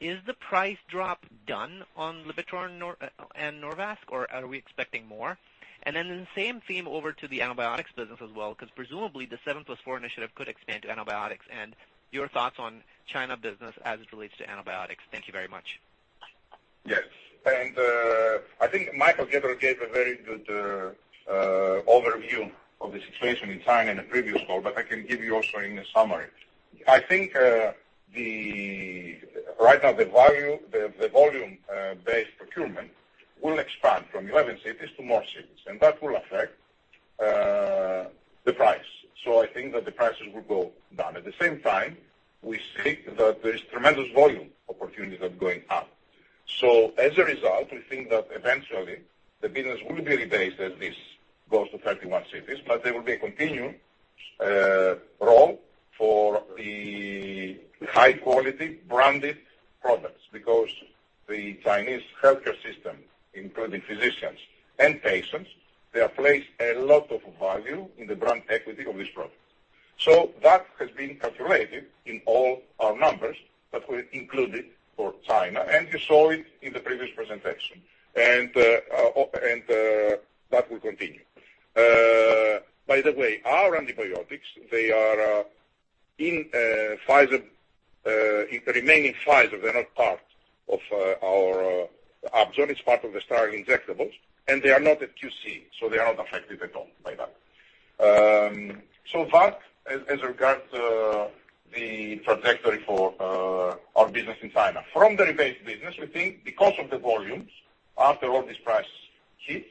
Is the price drop done on LIPITOR and NORVASC, or are we expecting more? In the same theme over to the antibiotics business as well, because presumably the 7+4 Initiative could expand to antibiotics and your thoughts on China business as it relates to antibiotics. Thank you very much. Yes. I think Michael Goettler gave a very good overview of the situation in China in the previous call, but I can give you also in a summary. I think right now the volume-based procurement will expand from 11 cities to more cities, that will affect the price. I think that the prices will go down. At the same time, we see that there is tremendous volume opportunities of going up. As a result, we think that eventually the business will be rebased as this goes to 31 cities, there will be a continued role for the high-quality branded products because the Chinese healthcare system, including physicians and patients, they have placed a lot of value in the brand equity of this product. That has been calculated in all our numbers that we included for China, you saw it in the previous presentation. That will continue. By the way, our antibiotics, they are in the remaining Pfizer, they're not part of our Upjohn is part of the sterile injectables, and they are not at QC, so they are not affected at all by that. That, as regards the trajectory for our business in China. From the rebate business, we think because of the volumes, after all this price hits,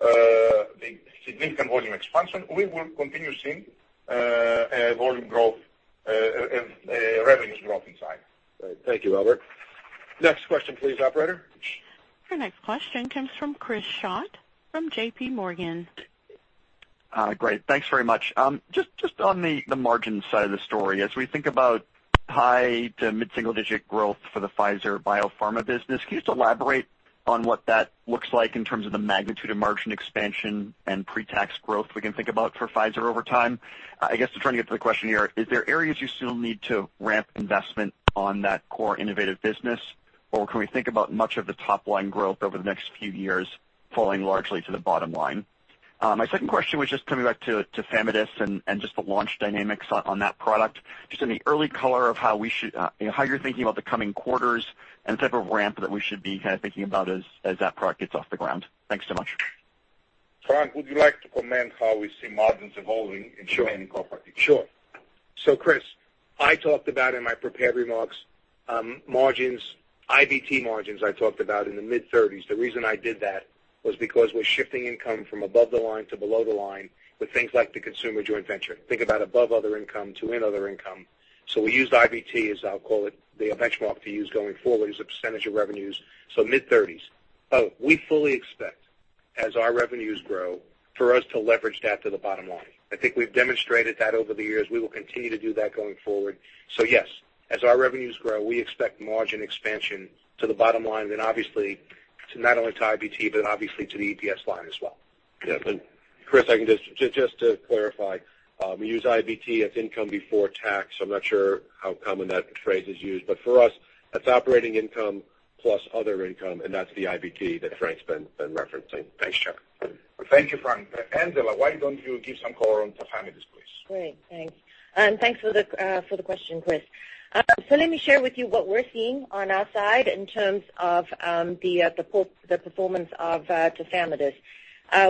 the significant volume expansion, we will continue seeing a volume growth and revenues growth in China. Great. Thank you, Albert. Next question, please, operator. Our next question comes from Chris Schott from JPMorgan. Great. Thanks very much. Just on the margin side of the story, as we think about high to mid-single-digit growth for the Pfizer Biopharma business, can you just elaborate on what that looks like in terms of the magnitude of margin expansion and pretax growth we can think about for Pfizer over time? I guess I'm trying to get to the question here, is there areas you still need to ramp investment on that core innovative business, or can we think about much of the top-line growth over the next few years falling largely to the bottom line? My second question was just coming back to tafamidis and just the launch dynamics on that product, just any early color of how you're thinking about the coming quarters and the type of ramp that we should be thinking about as that product gets off the ground. Thanks so much. Frank, would you like to comment how we see margins evolving in the remaining core products? Sure. Chris, I talked about in my prepared remarks, margins, IBT margins, I talked about in the mid-30s. The reason I did that was because we're shifting income from above the line to below the line with things like the Consumer Joint Venture. Think about above other income to in other income. We used IBT, as I'll call it, the benchmark to use going forward as a percentage of revenues, mid-30s. We fully expect, as our revenues grow, for us to leverage that to the bottom line. I think we've demonstrated that over the years. We will continue to do that going forward. Yes, as our revenues grow, we expect margin expansion to the bottom line and obviously not only to IBT but obviously to the EPS line as well. Yeah. Chris, just to clarify, we use IBT as income before tax. I'm not sure how common that phrase is used, but for us, that's operating income. Plus other income, and that's the IBT that Frank's been referencing. Thanks, Chuck. Thank you, Frank. Angela, why don't you give some color on tafamidis, please? Great, thanks. Thanks for the question, Chris. Let me share with you what we're seeing on our side in terms of the performance of tafamidis.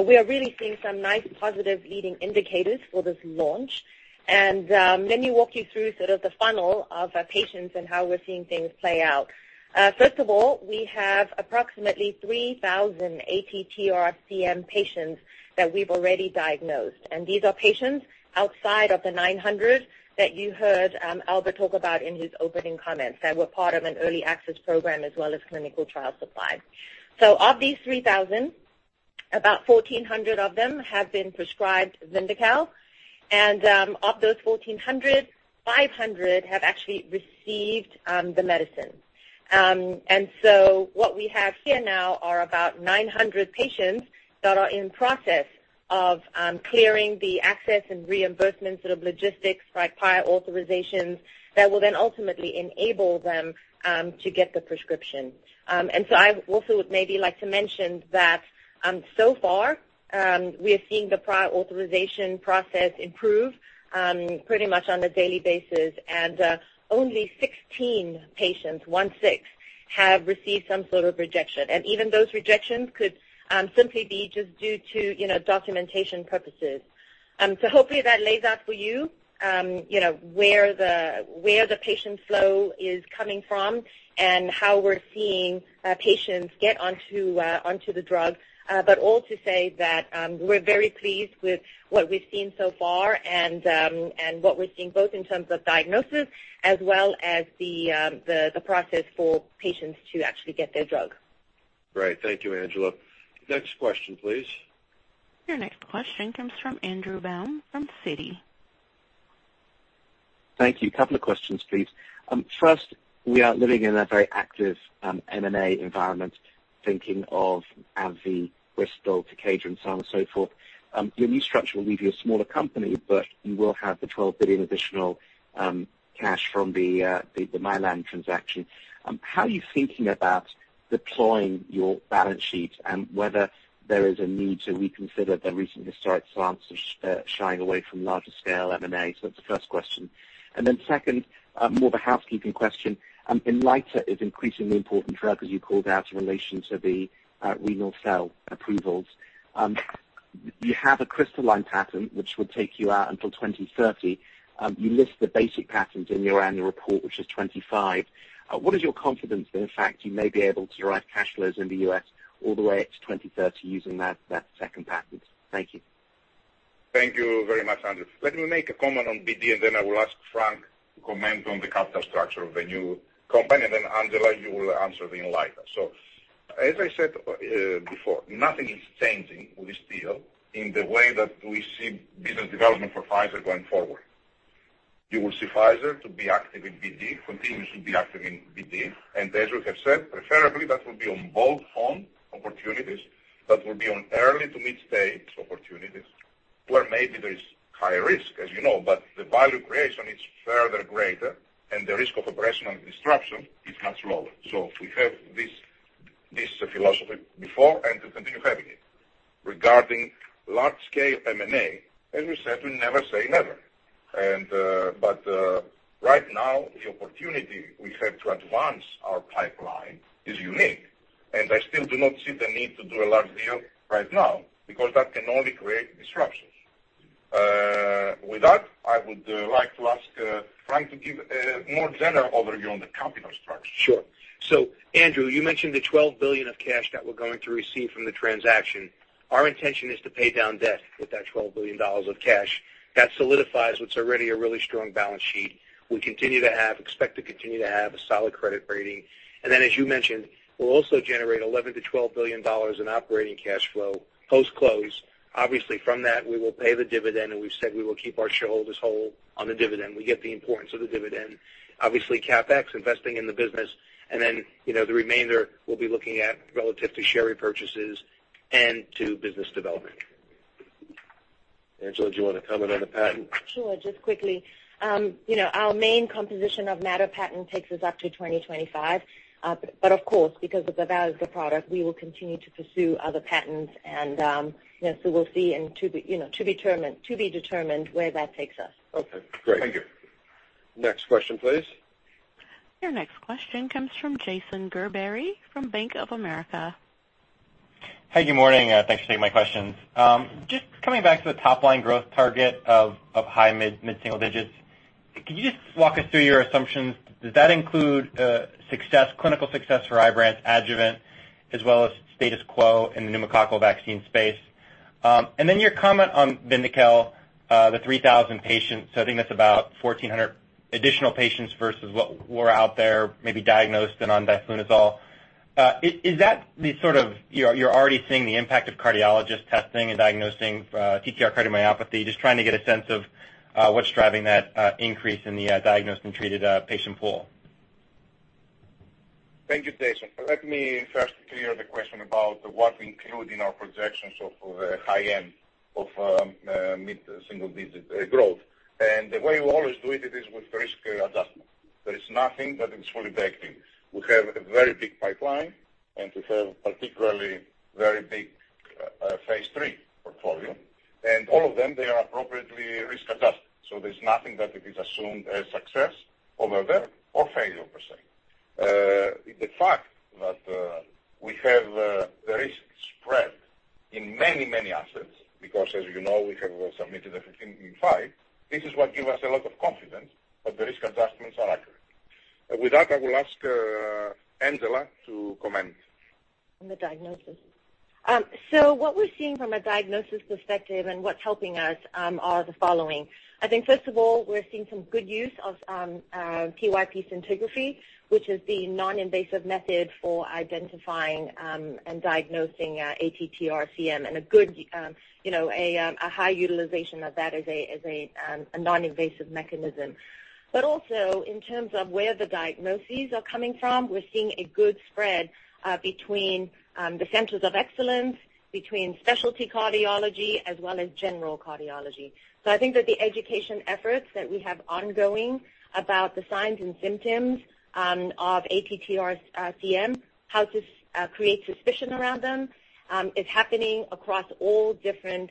We are really seeing some nice positive leading indicators for this launch. Let me walk you through sort of the funnel of our patients and how we're seeing things play out. First of all, we have approximately 3,000 ATTR-CM patients that we've already diagnosed, and these are patients outside of the 900 that you heard Albert talk about in his opening comments that were part of an early access program as well as clinical trial supplies. Of these 3,000, about 1,400 of them have been prescribed VYNDAQEL, and of those 1,400, 500 have actually received the medicine. What we have here now are about 900 patients that are in process of clearing the access and reimbursement sort of logistics, like prior authorizations, that will then ultimately enable them to get the prescription. I also would maybe like to mention that so far, we are seeing the prior authorization process improve pretty much on a daily basis, and only 16 patients have received some sort of rejection. Even those rejections could simply be just due to documentation purposes. Hopefully, that lays out for you where the patient flow is coming from and how we're seeing patients get onto the drug, but all to say that we're very pleased with what we've seen so far and what we're seeing both in terms of diagnosis as well as the process for patients to actually get their drug. Great. Thank you, Angela. Next question, please. Your next question comes from Andrew Baum from Citi. Thank you. Couple of questions, please. First, we are living in a very active M&A environment, thinking of AbbVie, Bristol, Takeda, and so on and so forth. Your new structure will leave you a smaller company, but you will have the $12 billion additional cash from the Mylan transaction. How are you thinking about deploying your balance sheet and whether there is a need to reconsider the recent historic stance of shying away from larger scale M&A? That's the first question. Second, more of a housekeeping question. INLYTA is increasingly important drug, as you called out, in relation to the renal cell approvals. You have a crystalline patent, which will take you out until 2030. You list the basic patents in your annual report, which is 2025. What is your confidence that, in fact, you may be able to derive cash flows in the U.S. all the way to 2030 using that second patent? Thank you. Thank you very much, Andrew. Let me make a comment on BD, and then I will ask Frank to comment on the capital structure of the new company, and then Angela, you will answer the INLYTA. As I said before, nothing is changing with this deal in the way that we see business development for Pfizer going forward. You will see Pfizer to be active in BD, continuous to be active in BD, and as we have said, preferably, that will be on bold font opportunities, that will be on early to mid-stage opportunities where maybe there is high risk, as you know, but the value creation is further greater and the risk of operational disruption is much lower. We have this philosophy before and to continue having it. Regarding large scale M&A, as we said, we never say never. Right now, the opportunity we have to advance our pipeline is unique, and I still do not see the need to do a large deal right now, because that can only create disruptions. With that, I would like to ask Frank to give a more general overview on the capital structure. Sure. Andrew, you mentioned the $12 billion of cash that we're going to receive from the transaction. Our intention is to pay down debt with that $12 billion of cash. That solidifies what's already a really strong balance sheet. We expect to continue to have a solid credit rating. As you mentioned, we'll also generate $11 billion-$12 billion in operating cash flow post-close. Obviously, from that, we will pay the dividend, and we've said we will keep our shareholders whole on the dividend. We get the importance of the dividend. Obviously, CapEx, investing in the business, and then, the remainder we'll be looking at relative to share repurchases and to business development. Angela, do you want to comment on the patent? Sure. Just quickly. Our main composition of matter patent takes us up to 2025. Of course, because of the value of the product, we will continue to pursue other patents, and so we'll see and to be determined where that takes us. Okay. Great. Thank you. Next question, please. Your next question comes from Jason Gerberry from Bank of America. Hey, good morning. Thanks for taking my questions. Coming back to the top-line growth target of high mid-single digits. Could you walk us through your assumptions? Does that include clinical success for IBRANCE adjuvant as well as status quo in the pneumococcal vaccine space? Your comment on VYNDAQEL, the 3,000 patients, I think that's about 1,400 additional patients versus what were out there, maybe diagnosed and on tafamidis. Is that the sort of you're already seeing the impact of cardiologists testing and diagnosing ATTR cardiomyopathy? Trying to get a sense of what's driving that increase in the diagnosed and treated patient pool. Thank you, Jason. Let me first clear the question about what we include in our projections of the high end of mid-single-digit growth. The way we always do it is with risk adjustment. There is nothing that is fully baked in. We have a very big pipeline, and we have particularly very big phase III portfolio, and all of them, they are appropriately risk-adjusted. There's nothing that it is assumed as success over there or failure, per se. The fact that we have the risk spread in many, many assets, because as you know, we have submitted a 15 in five, this is what give us a lot of confidence that the risk adjustments are accurate. With that, I will ask Angela to comment. On the diagnosis. What we're seeing from a diagnosis perspective and what's helping us, are the following. I think first of all, we're seeing some good use of PYP scintigraphy, which is the non-invasive method for identifying and diagnosing ATTR-CM, and a high utilization of that as a non-invasive mechanism. Also, in terms of where the diagnoses are coming from, we're seeing a good spread between the centers of excellence, between specialty cardiology as well as general cardiology. I think that the education efforts that we have ongoing about the signs and symptoms of ATTR-CM, how to create suspicion around them, is happening across all different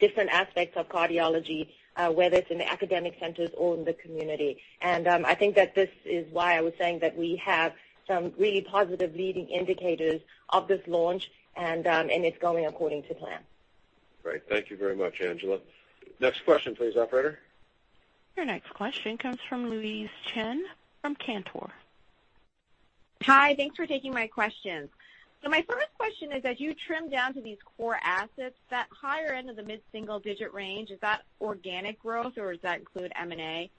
aspects of cardiology, whether it's in the academic centers or in the community. I think that this is why I was saying that we have some really positive leading indicators of this launch, and it's going according to plan. Great. Thank you very much, Angela. Next question please, operator. Your next question comes from Louise Chen from Cantor. Hi, thanks for taking my questions. My first question is, as you trim down to these core assets, that higher end of the mid-single-digit range, is that organic growth or does that include M&A?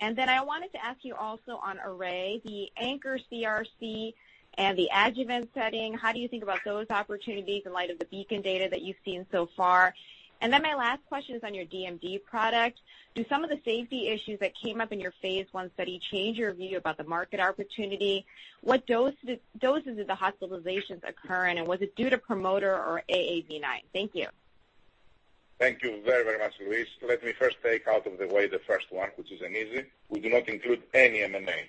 Then I wanted to ask you also on Array, the ANCHOR CRC and the adjuvant setting, how do you think about those opportunities in light of the BEACON data that you've seen so far? My last question is on your DMD product. Do some of the safety issues that came up in your phase I study change your view about the market opportunity? What doses of the hospitalizations occur, and was it due to promoter or AAV9? Thank you. Thank you very much, Louise. Let me first take out of the way the first one, which is an easy. We do not include any M&A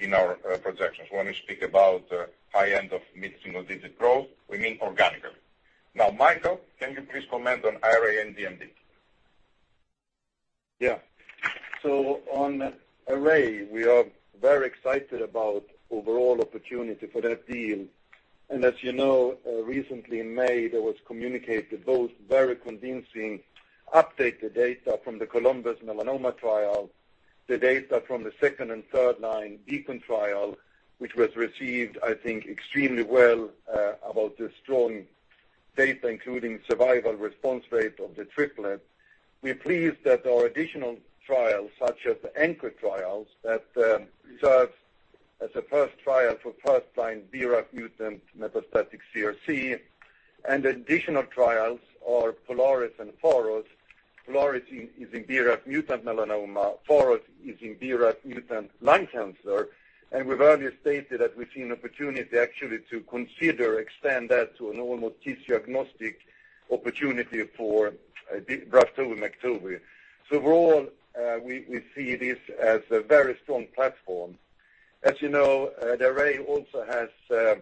in our projections. When we speak about the high end of mid-single-digit growth, we mean organically. Mikael, can you please comment on Array and DMD? On Array, we are very excited about overall opportunity for that deal. As you know, recently in May, there was communicated both very convincing updated data from the COLUMBUS melanoma trial. The data from the second- and third-line BEACON trial, which was received, I think, extremely well, about the strong data, including survival response rate of the triplet. We are pleased that our additional trials, such as the ANCHOR trials, that serves as a first trial for first-line BRAF mutant metastatic CRC and additional trials are POLARIS and PHAROS. POLARIS is in BRAF mutant melanoma. PHAROS is in BRAF mutant lung cancer. We've earlier stated that we've seen opportunity actually to consider extend that to an almost tissue-agnostic opportunity for BRAF, MEK inhibitor. Overall, we see this as a very strong platform. As you know, Array also has a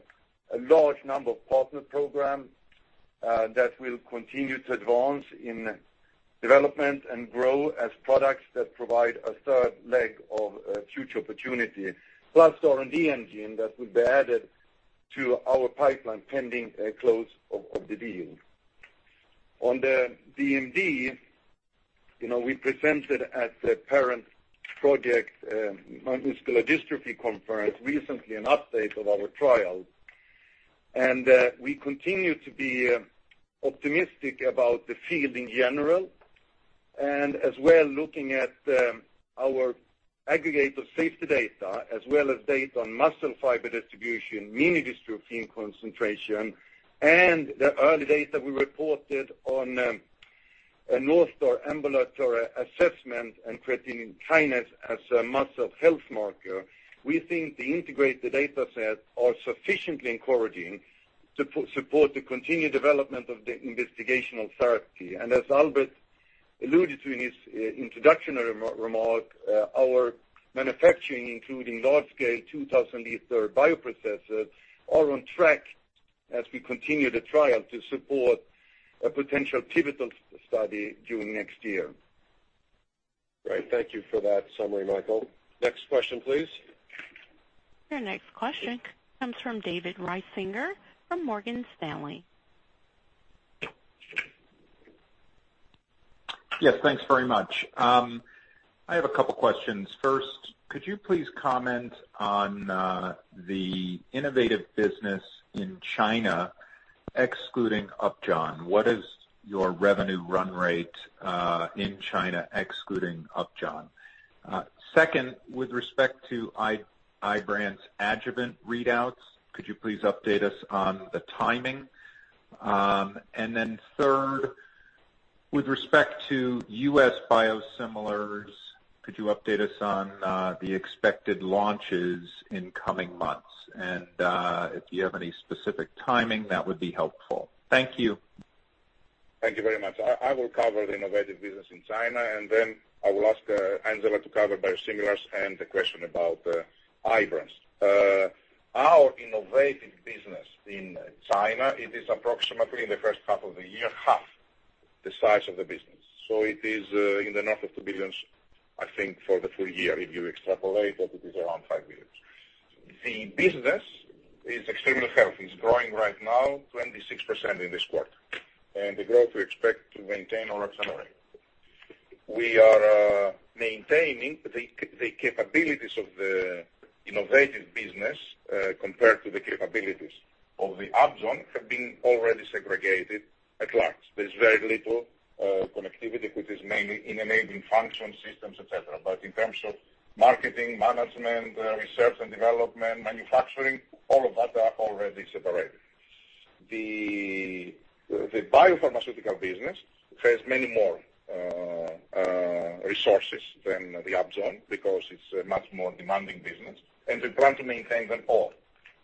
large number of partner program that will continue to advance in development and grow as products that provide a third leg of future opportunity. Plus R&D engine that would be added to our pipeline pending close of the deal. On the DMD, we presented at the Parent Project Muscular Dystrophy Conference recently an update of our trial. We continue to be optimistic about the field in general. As well, looking at our aggregate of safety data, as well as data on muscle fiber distribution, mini-dystrophin concentration, and the early data we reported on North Star Ambulatory Assessment and creatine kinase as a muscle health marker. We think the integrated data set are sufficiently encouraging to support the continued development of the investigational therapy. As Albert alluded to in his introduction remark, our manufacturing, including large-scale 2,000-L bioprocessors, are on track as we continue the trial to support a potential pivotal study during next year. Great. Thank you for that summary, Mikael. Next question, please. Your next question comes from David Risinger from Morgan Stanley. Yes, thanks very much. I have a couple questions. First, could you please comment on the innovative business in China, excluding Upjohn? What is your revenue run rate, in China excluding Upjohn? Second, with respect to IBRANCE adjuvant readouts, could you please update us on the timing? Then third, with respect to U.S. biosimilars, could you update us on the expected launches in coming months? If you have any specific timing, that would be helpful. Thank you. Thank you very much. I will cover the innovative business in China, and then I will ask Angela to cover biosimilars and the question about IBRANCE. Our innovative business in China is approximately, in the first half of the year, half the size of the business. It is in the north of $2 billion, I think for the full-year. If you extrapolate that, it is around $5 billion. The business is extremely healthy. It's growing right now 26% in this quarter. The growth we expect to maintain or accelerate. We are maintaining the capabilities of the innovative business compared to the capabilities of the Upjohn have been already segregated at large. There's very little connectivity, which is mainly in enabling function systems, et cetera. In terms of marketing, management, research and development, manufacturing, all of that are already separated. The biopharmaceutical business has many more resources than the Upjohn because it's a much more demanding business, and we plan to maintain them all.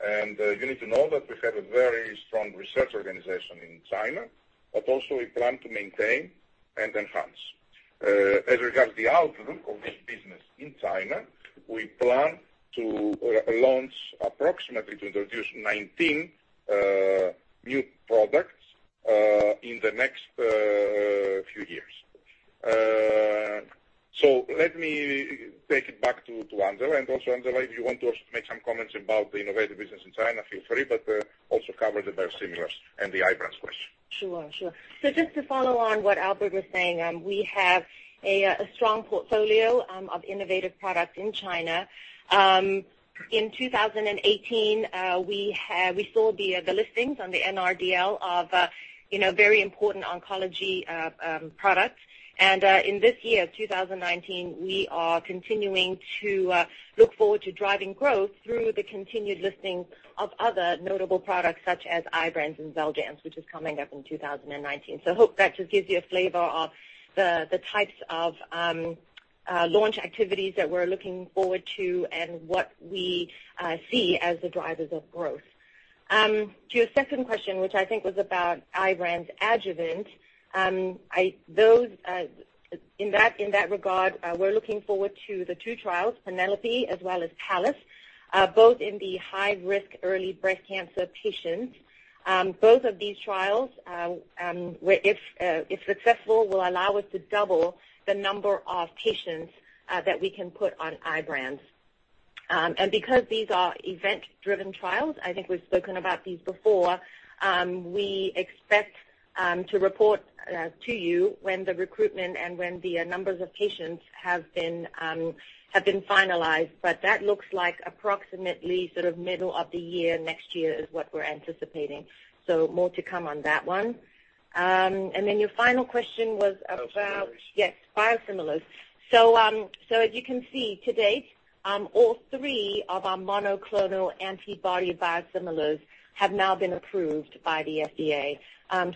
You need to know that we have a very strong research organization in China, but also we plan to maintain and enhance. As regards the outlook of this business in China, we plan to launch approximately to introduce 19 new products in the next few years. Let me take it back to Angela. Also, Angela, if you want to make some comments about the innovative business in China, feel free, but also cover the biosimilars and the IBRANCE question. Sure. Just to follow on what Albert was saying, we have a strong portfolio of innovative products in China. In 2018, we saw the listings on the NRDL of very important oncology products. In this year, 2019, we are continuing to look forward to driving growth through the continued listing of other notable products such as IBRANCE and XELJANZ, which is coming up in 2019. Hope that just gives you a flavor of the types of launch activities that we're looking forward to and what we see as the drivers of growth. To your second question, which I think was about IBRANCE adjuvant. In that regard, we're looking forward to the two trials, PENELOPE-B as well as PALLAS, both in the high-risk early breast cancer patients. Both of these trials, if successful, will allow us to double the number of patients that we can put on IBRANCE. Because these are event-driven trials, I think we've spoken about these before, we expect to report to you when the recruitment and when the numbers of patients have been finalized, but that looks like approximately middle of the year, next year is what we're anticipating. More to come on that one. And then your final question was about- Biosimilars. Yes, biosimilars. As you can see to date, all three of our monoclonal antibody biosimilars have now been approved by the FDA.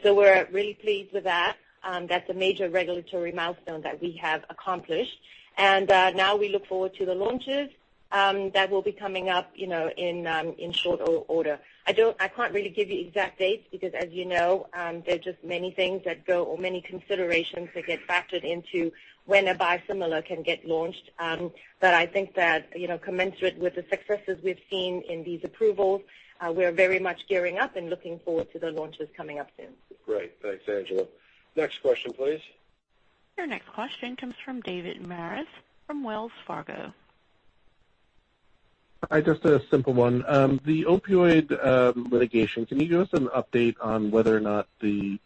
We're really pleased with that. That's a major regulatory milestone that we have accomplished. Now we look forward to the launches that will be coming up in short order. I can't really give you exact dates because as you know, there are just many things that go or many considerations that get factored into when a biosimilar can get launched. I think that commensurate with the successes we've seen in these approvals, we are very much gearing up and looking forward to the launches coming up soon. Great. Thanks, Angela. Next question, please. Your next question comes from David Maris from Wells Fargo. Hi, just a simple one. The opioid litigation, can you give us an update on whether or not the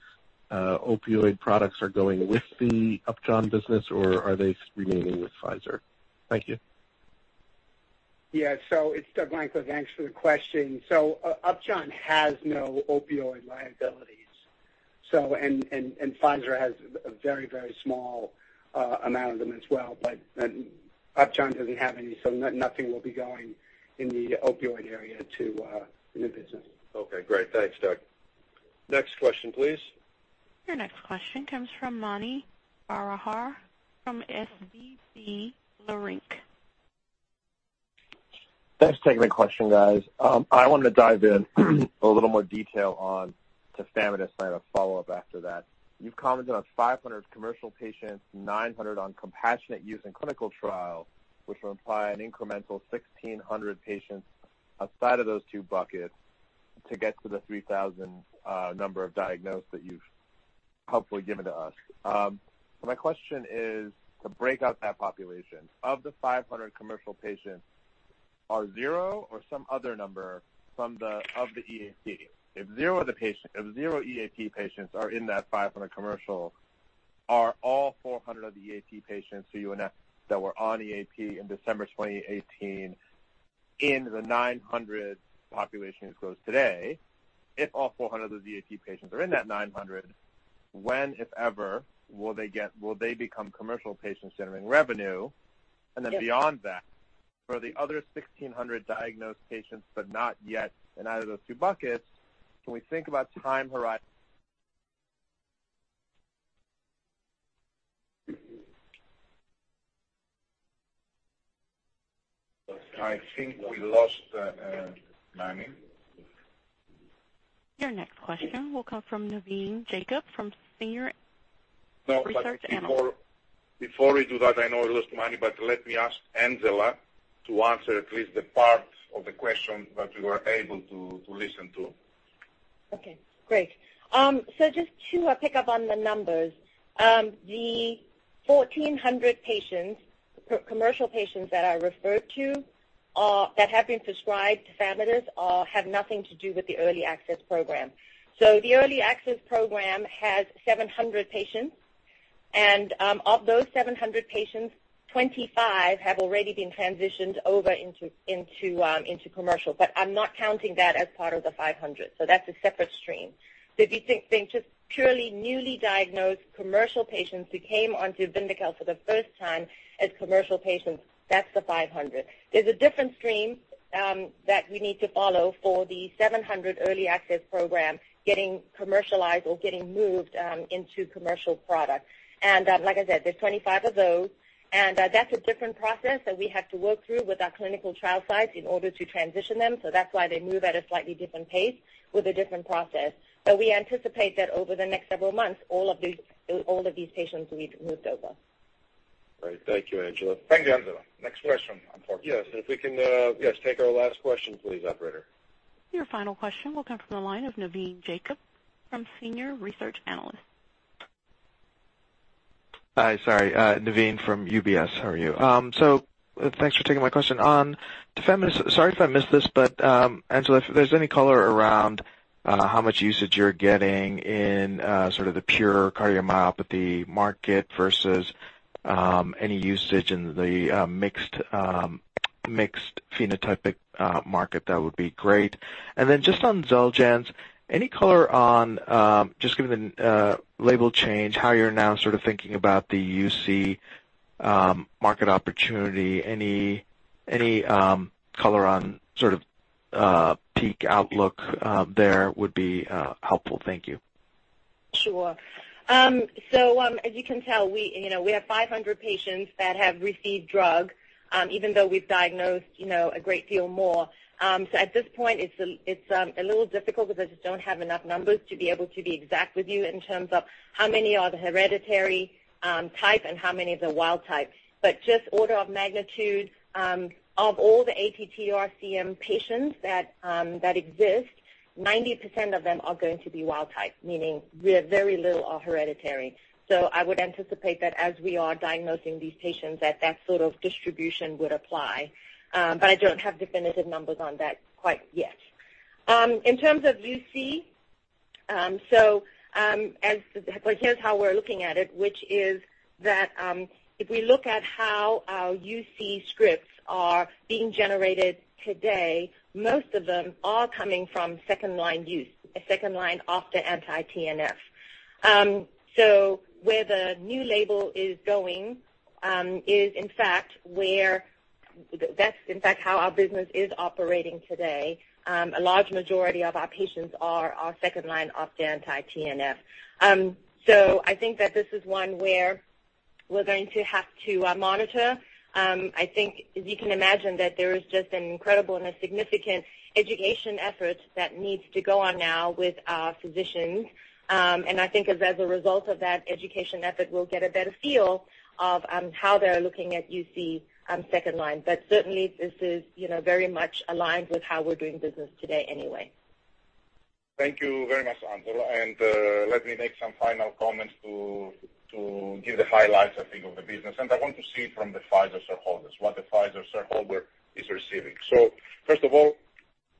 opioid products are going with the Upjohn business, or are they remaining with Pfizer? Thank you. It's Doug Lankler. Thanks for the question. Upjohn has no opioid liabilities. Pfizer has a very small amount of them as well, but Upjohn doesn't have any, so nothing will be going in the opioid area to the new business. Okay, great. Thanks, Doug. Next question, please. Your next question comes from Mani Foroohar from SVB Leerink. Thanks for taking the question, guys. I wanted to dive in a little more detail on tafamidis and I had a follow-up after that. You've commented on 500 commercial patients, 900 on compassionate use and clinical trial, which would imply an incremental 1,600 patients outside of those two buckets to get to the 3,000 number of diagnosed that you've helpfully given to us. My question is to break out that population. Of the 500 commercial patients, are zero or some other number from the EAP? If zero EAP patients are in that 500 commercial, are all 400 of the EAP patients who you announced that were on EAP in December 2018 in the 900 population as of today, if all 400 of the EAP patients are in that 900, when, if ever, will they become commercial patients generating revenue? Beyond that, for the other 1,600 diagnosed patients, but not yet in either of those two buckets, can we think about time horizon? I think we lost Mani. Your next question will come from Navin Jacob from Senior Research Analyst. Before we do that, I know we lost Mani, let me ask Angela to answer at least the part of the question that we were able to listen to. Okay, great. Just to pick up on the numbers. The 1,400 commercial patients that I referred to that have been prescribed tafamidis all have nothing to do with the early access program. The early access program has 700 patients, and of those 700 patients, 25 have already been transitioned over into commercial. I'm not counting that as part of the 500. That's a separate stream. If you think just purely newly diagnosed commercial patients who came onto VYNDAQEL for the first time as commercial patients, that's the 500. There's a different stream that we need to follow for the 700 early access program getting commercialized or getting moved into commercial product. Like I said, there's 25 of those, and that's a different process that we have to work through with our clinical trial sites in order to transition them. That's why they move at a slightly different pace with a different process. We anticipate that over the next several months, all of these patients will be moved over. Great. Thank you, Angela. Thank you, Angela. Next question, unfortunately. Yes, if we can, yes, take our last question, please, operator. Your final question will come from the line of Navin Jacob from Senior Research Analyst. Hi. Navin from UBS. How are you? Thanks for taking my question. On tafamidis, sorry if I missed this, but, Angela, if there's any color around how much usage you're getting in sort of the pure cardiomyopathy market versus any usage in the mixed phenotypic market, that would be great. Then on XELJANZ, any color on, given the label change, how you're now sort of thinking about the UC market opportunity? Any color on sort of peak outlook there would be helpful. Thank you. Sure. As you can tell, we have 500 patients that have received drug, even though we've diagnosed a great deal more. At this point, it's a little difficult because I just don't have enough numbers to be able to be exact with you in terms of how many are the hereditary type and how many are the wild type. Just order of magnitude, of all the ATTR-CM patients that exist, 90% of them are going to be wild type, meaning very little are hereditary. I would anticipate that as we are diagnosing these patients, that sort of distribution would apply. I don't have definitive numbers on that quite yet. In terms of UC, here's how we're looking at it, which is that if we look at how our UC scripts are being generated today, most of them are coming from second-line use, a second line off the anti-TNF. Where the new label is going is, in fact, how our business is operating today. A large majority of our patients are second line off the anti-TNF. I think that this is one where we're going to have to monitor. I think, as you can imagine, that there is just an incredible and a significant education effort that needs to go on now with our physicians. I think as a result of that education effort, we'll get a better feel of how they're looking at UC second line. Certainly, this is very much aligned with how we're doing business today anyway. Thank you very much, Angela. Let me make some final comments to give the highlights, I think, of the business. I want to see from the Pfizer shareholders, what the Pfizer shareholder is receiving. First of all,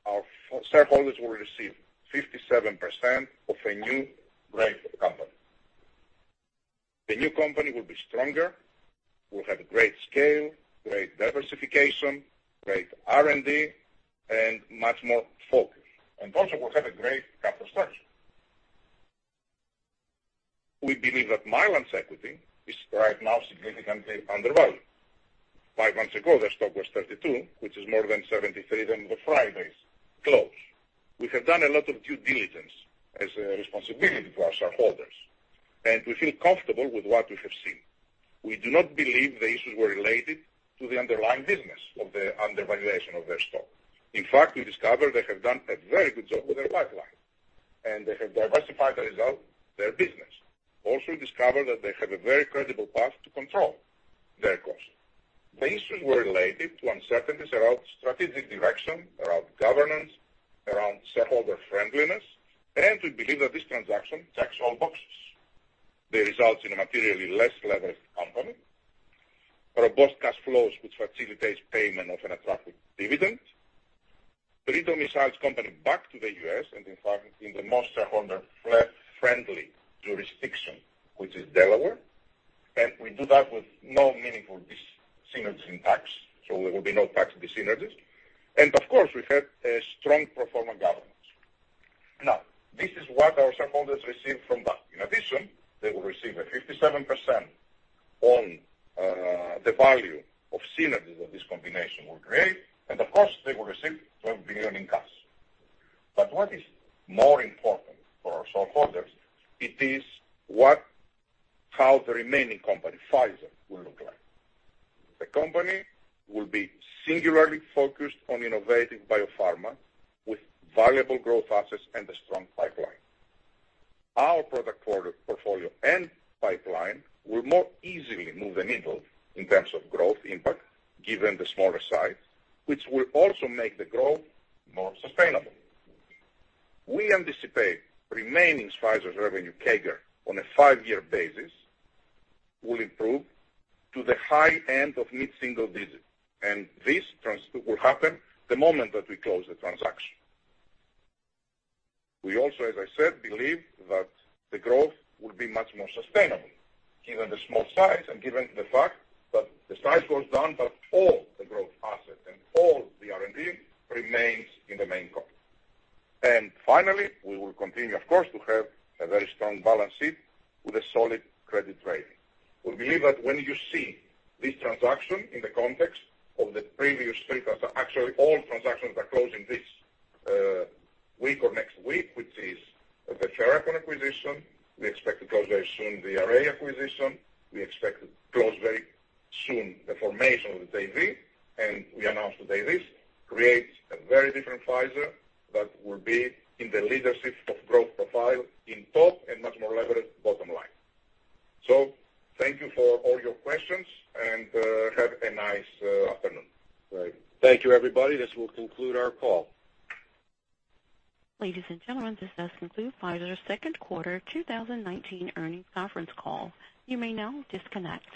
our shareholders will receive 57% of a new, great company. The new company will be stronger, will have great scale, great diversification, great R&D, and much more focus. Also will have a great capital structure. We believe that Mylan's equity is right now significantly undervalued. Five months ago, their stock was $32, which is more than 73% than the Friday's close. We have done a lot of due diligence as a responsibility to our shareholders, and we feel comfortable with what we have seen. We do not believe the issues were related to the underlying business of the undervaluation of their stock. In fact, we discovered they have done a very good job with their pipeline, and they have diversified the result, their business. Also discovered that they have a very credible path to control their cost. The issues were related to uncertainties around strategic direction, around governance, around shareholder friendliness, and we believe that this transaction checks all boxes. The results in a materially less leveraged company. Robust cash flows, which facilitates payment of an attractive dividend. Bring the merged company back to the U.S., and in fact, in the most shareholder-friendly jurisdiction, which is Delaware. We do that with no meaningful dis-synergies in tax. There will be no tax dis-synergies. Of course, we have a strong pro forma governance. Now, this is what our shareholders received from that. In addition, they will receive a 57% on the value of synergies that this combination will create, and of course they will receive $12 billion in cash. What is more important for our shareholders, it is how the remaining company, Pfizer, will look like. The company will be singularly focused on innovative biopharma with valuable growth assets and a strong pipeline. Our product portfolio and pipeline will more easily move the needle in terms of growth impact, given the smaller size, which will also make the growth more sustainable. We anticipate remaining Pfizer's revenue CAGR on a five-year basis will improve to the high end of mid-single digit, and this will happen the moment that we close the transaction. We also, as I said, believe that the growth will be much more sustainable given the small size and given the fact that the size goes down, but all the growth assets and all the R&D remains in the main company. Finally, we will continue, of course, to have a very strong balance sheet with a solid credit rating. We believe that when you see this transaction in the context of actually, all transactions are closed in this week or next week, which is the Therachon acquisition. We expect to close very soon the Array acquisition. We expect to close very soon the formation of the JV. We announced today this creates a very different Pfizer that will be in the leadership of growth profile in top and much more levered bottom line. Thank you for all your questions, and have a nice afternoon. Great. Thank you, everybody. This will conclude our call. Ladies and gentlemen, this does conclude Pfizer's second quarter 2019 earnings conference call. You may now disconnect.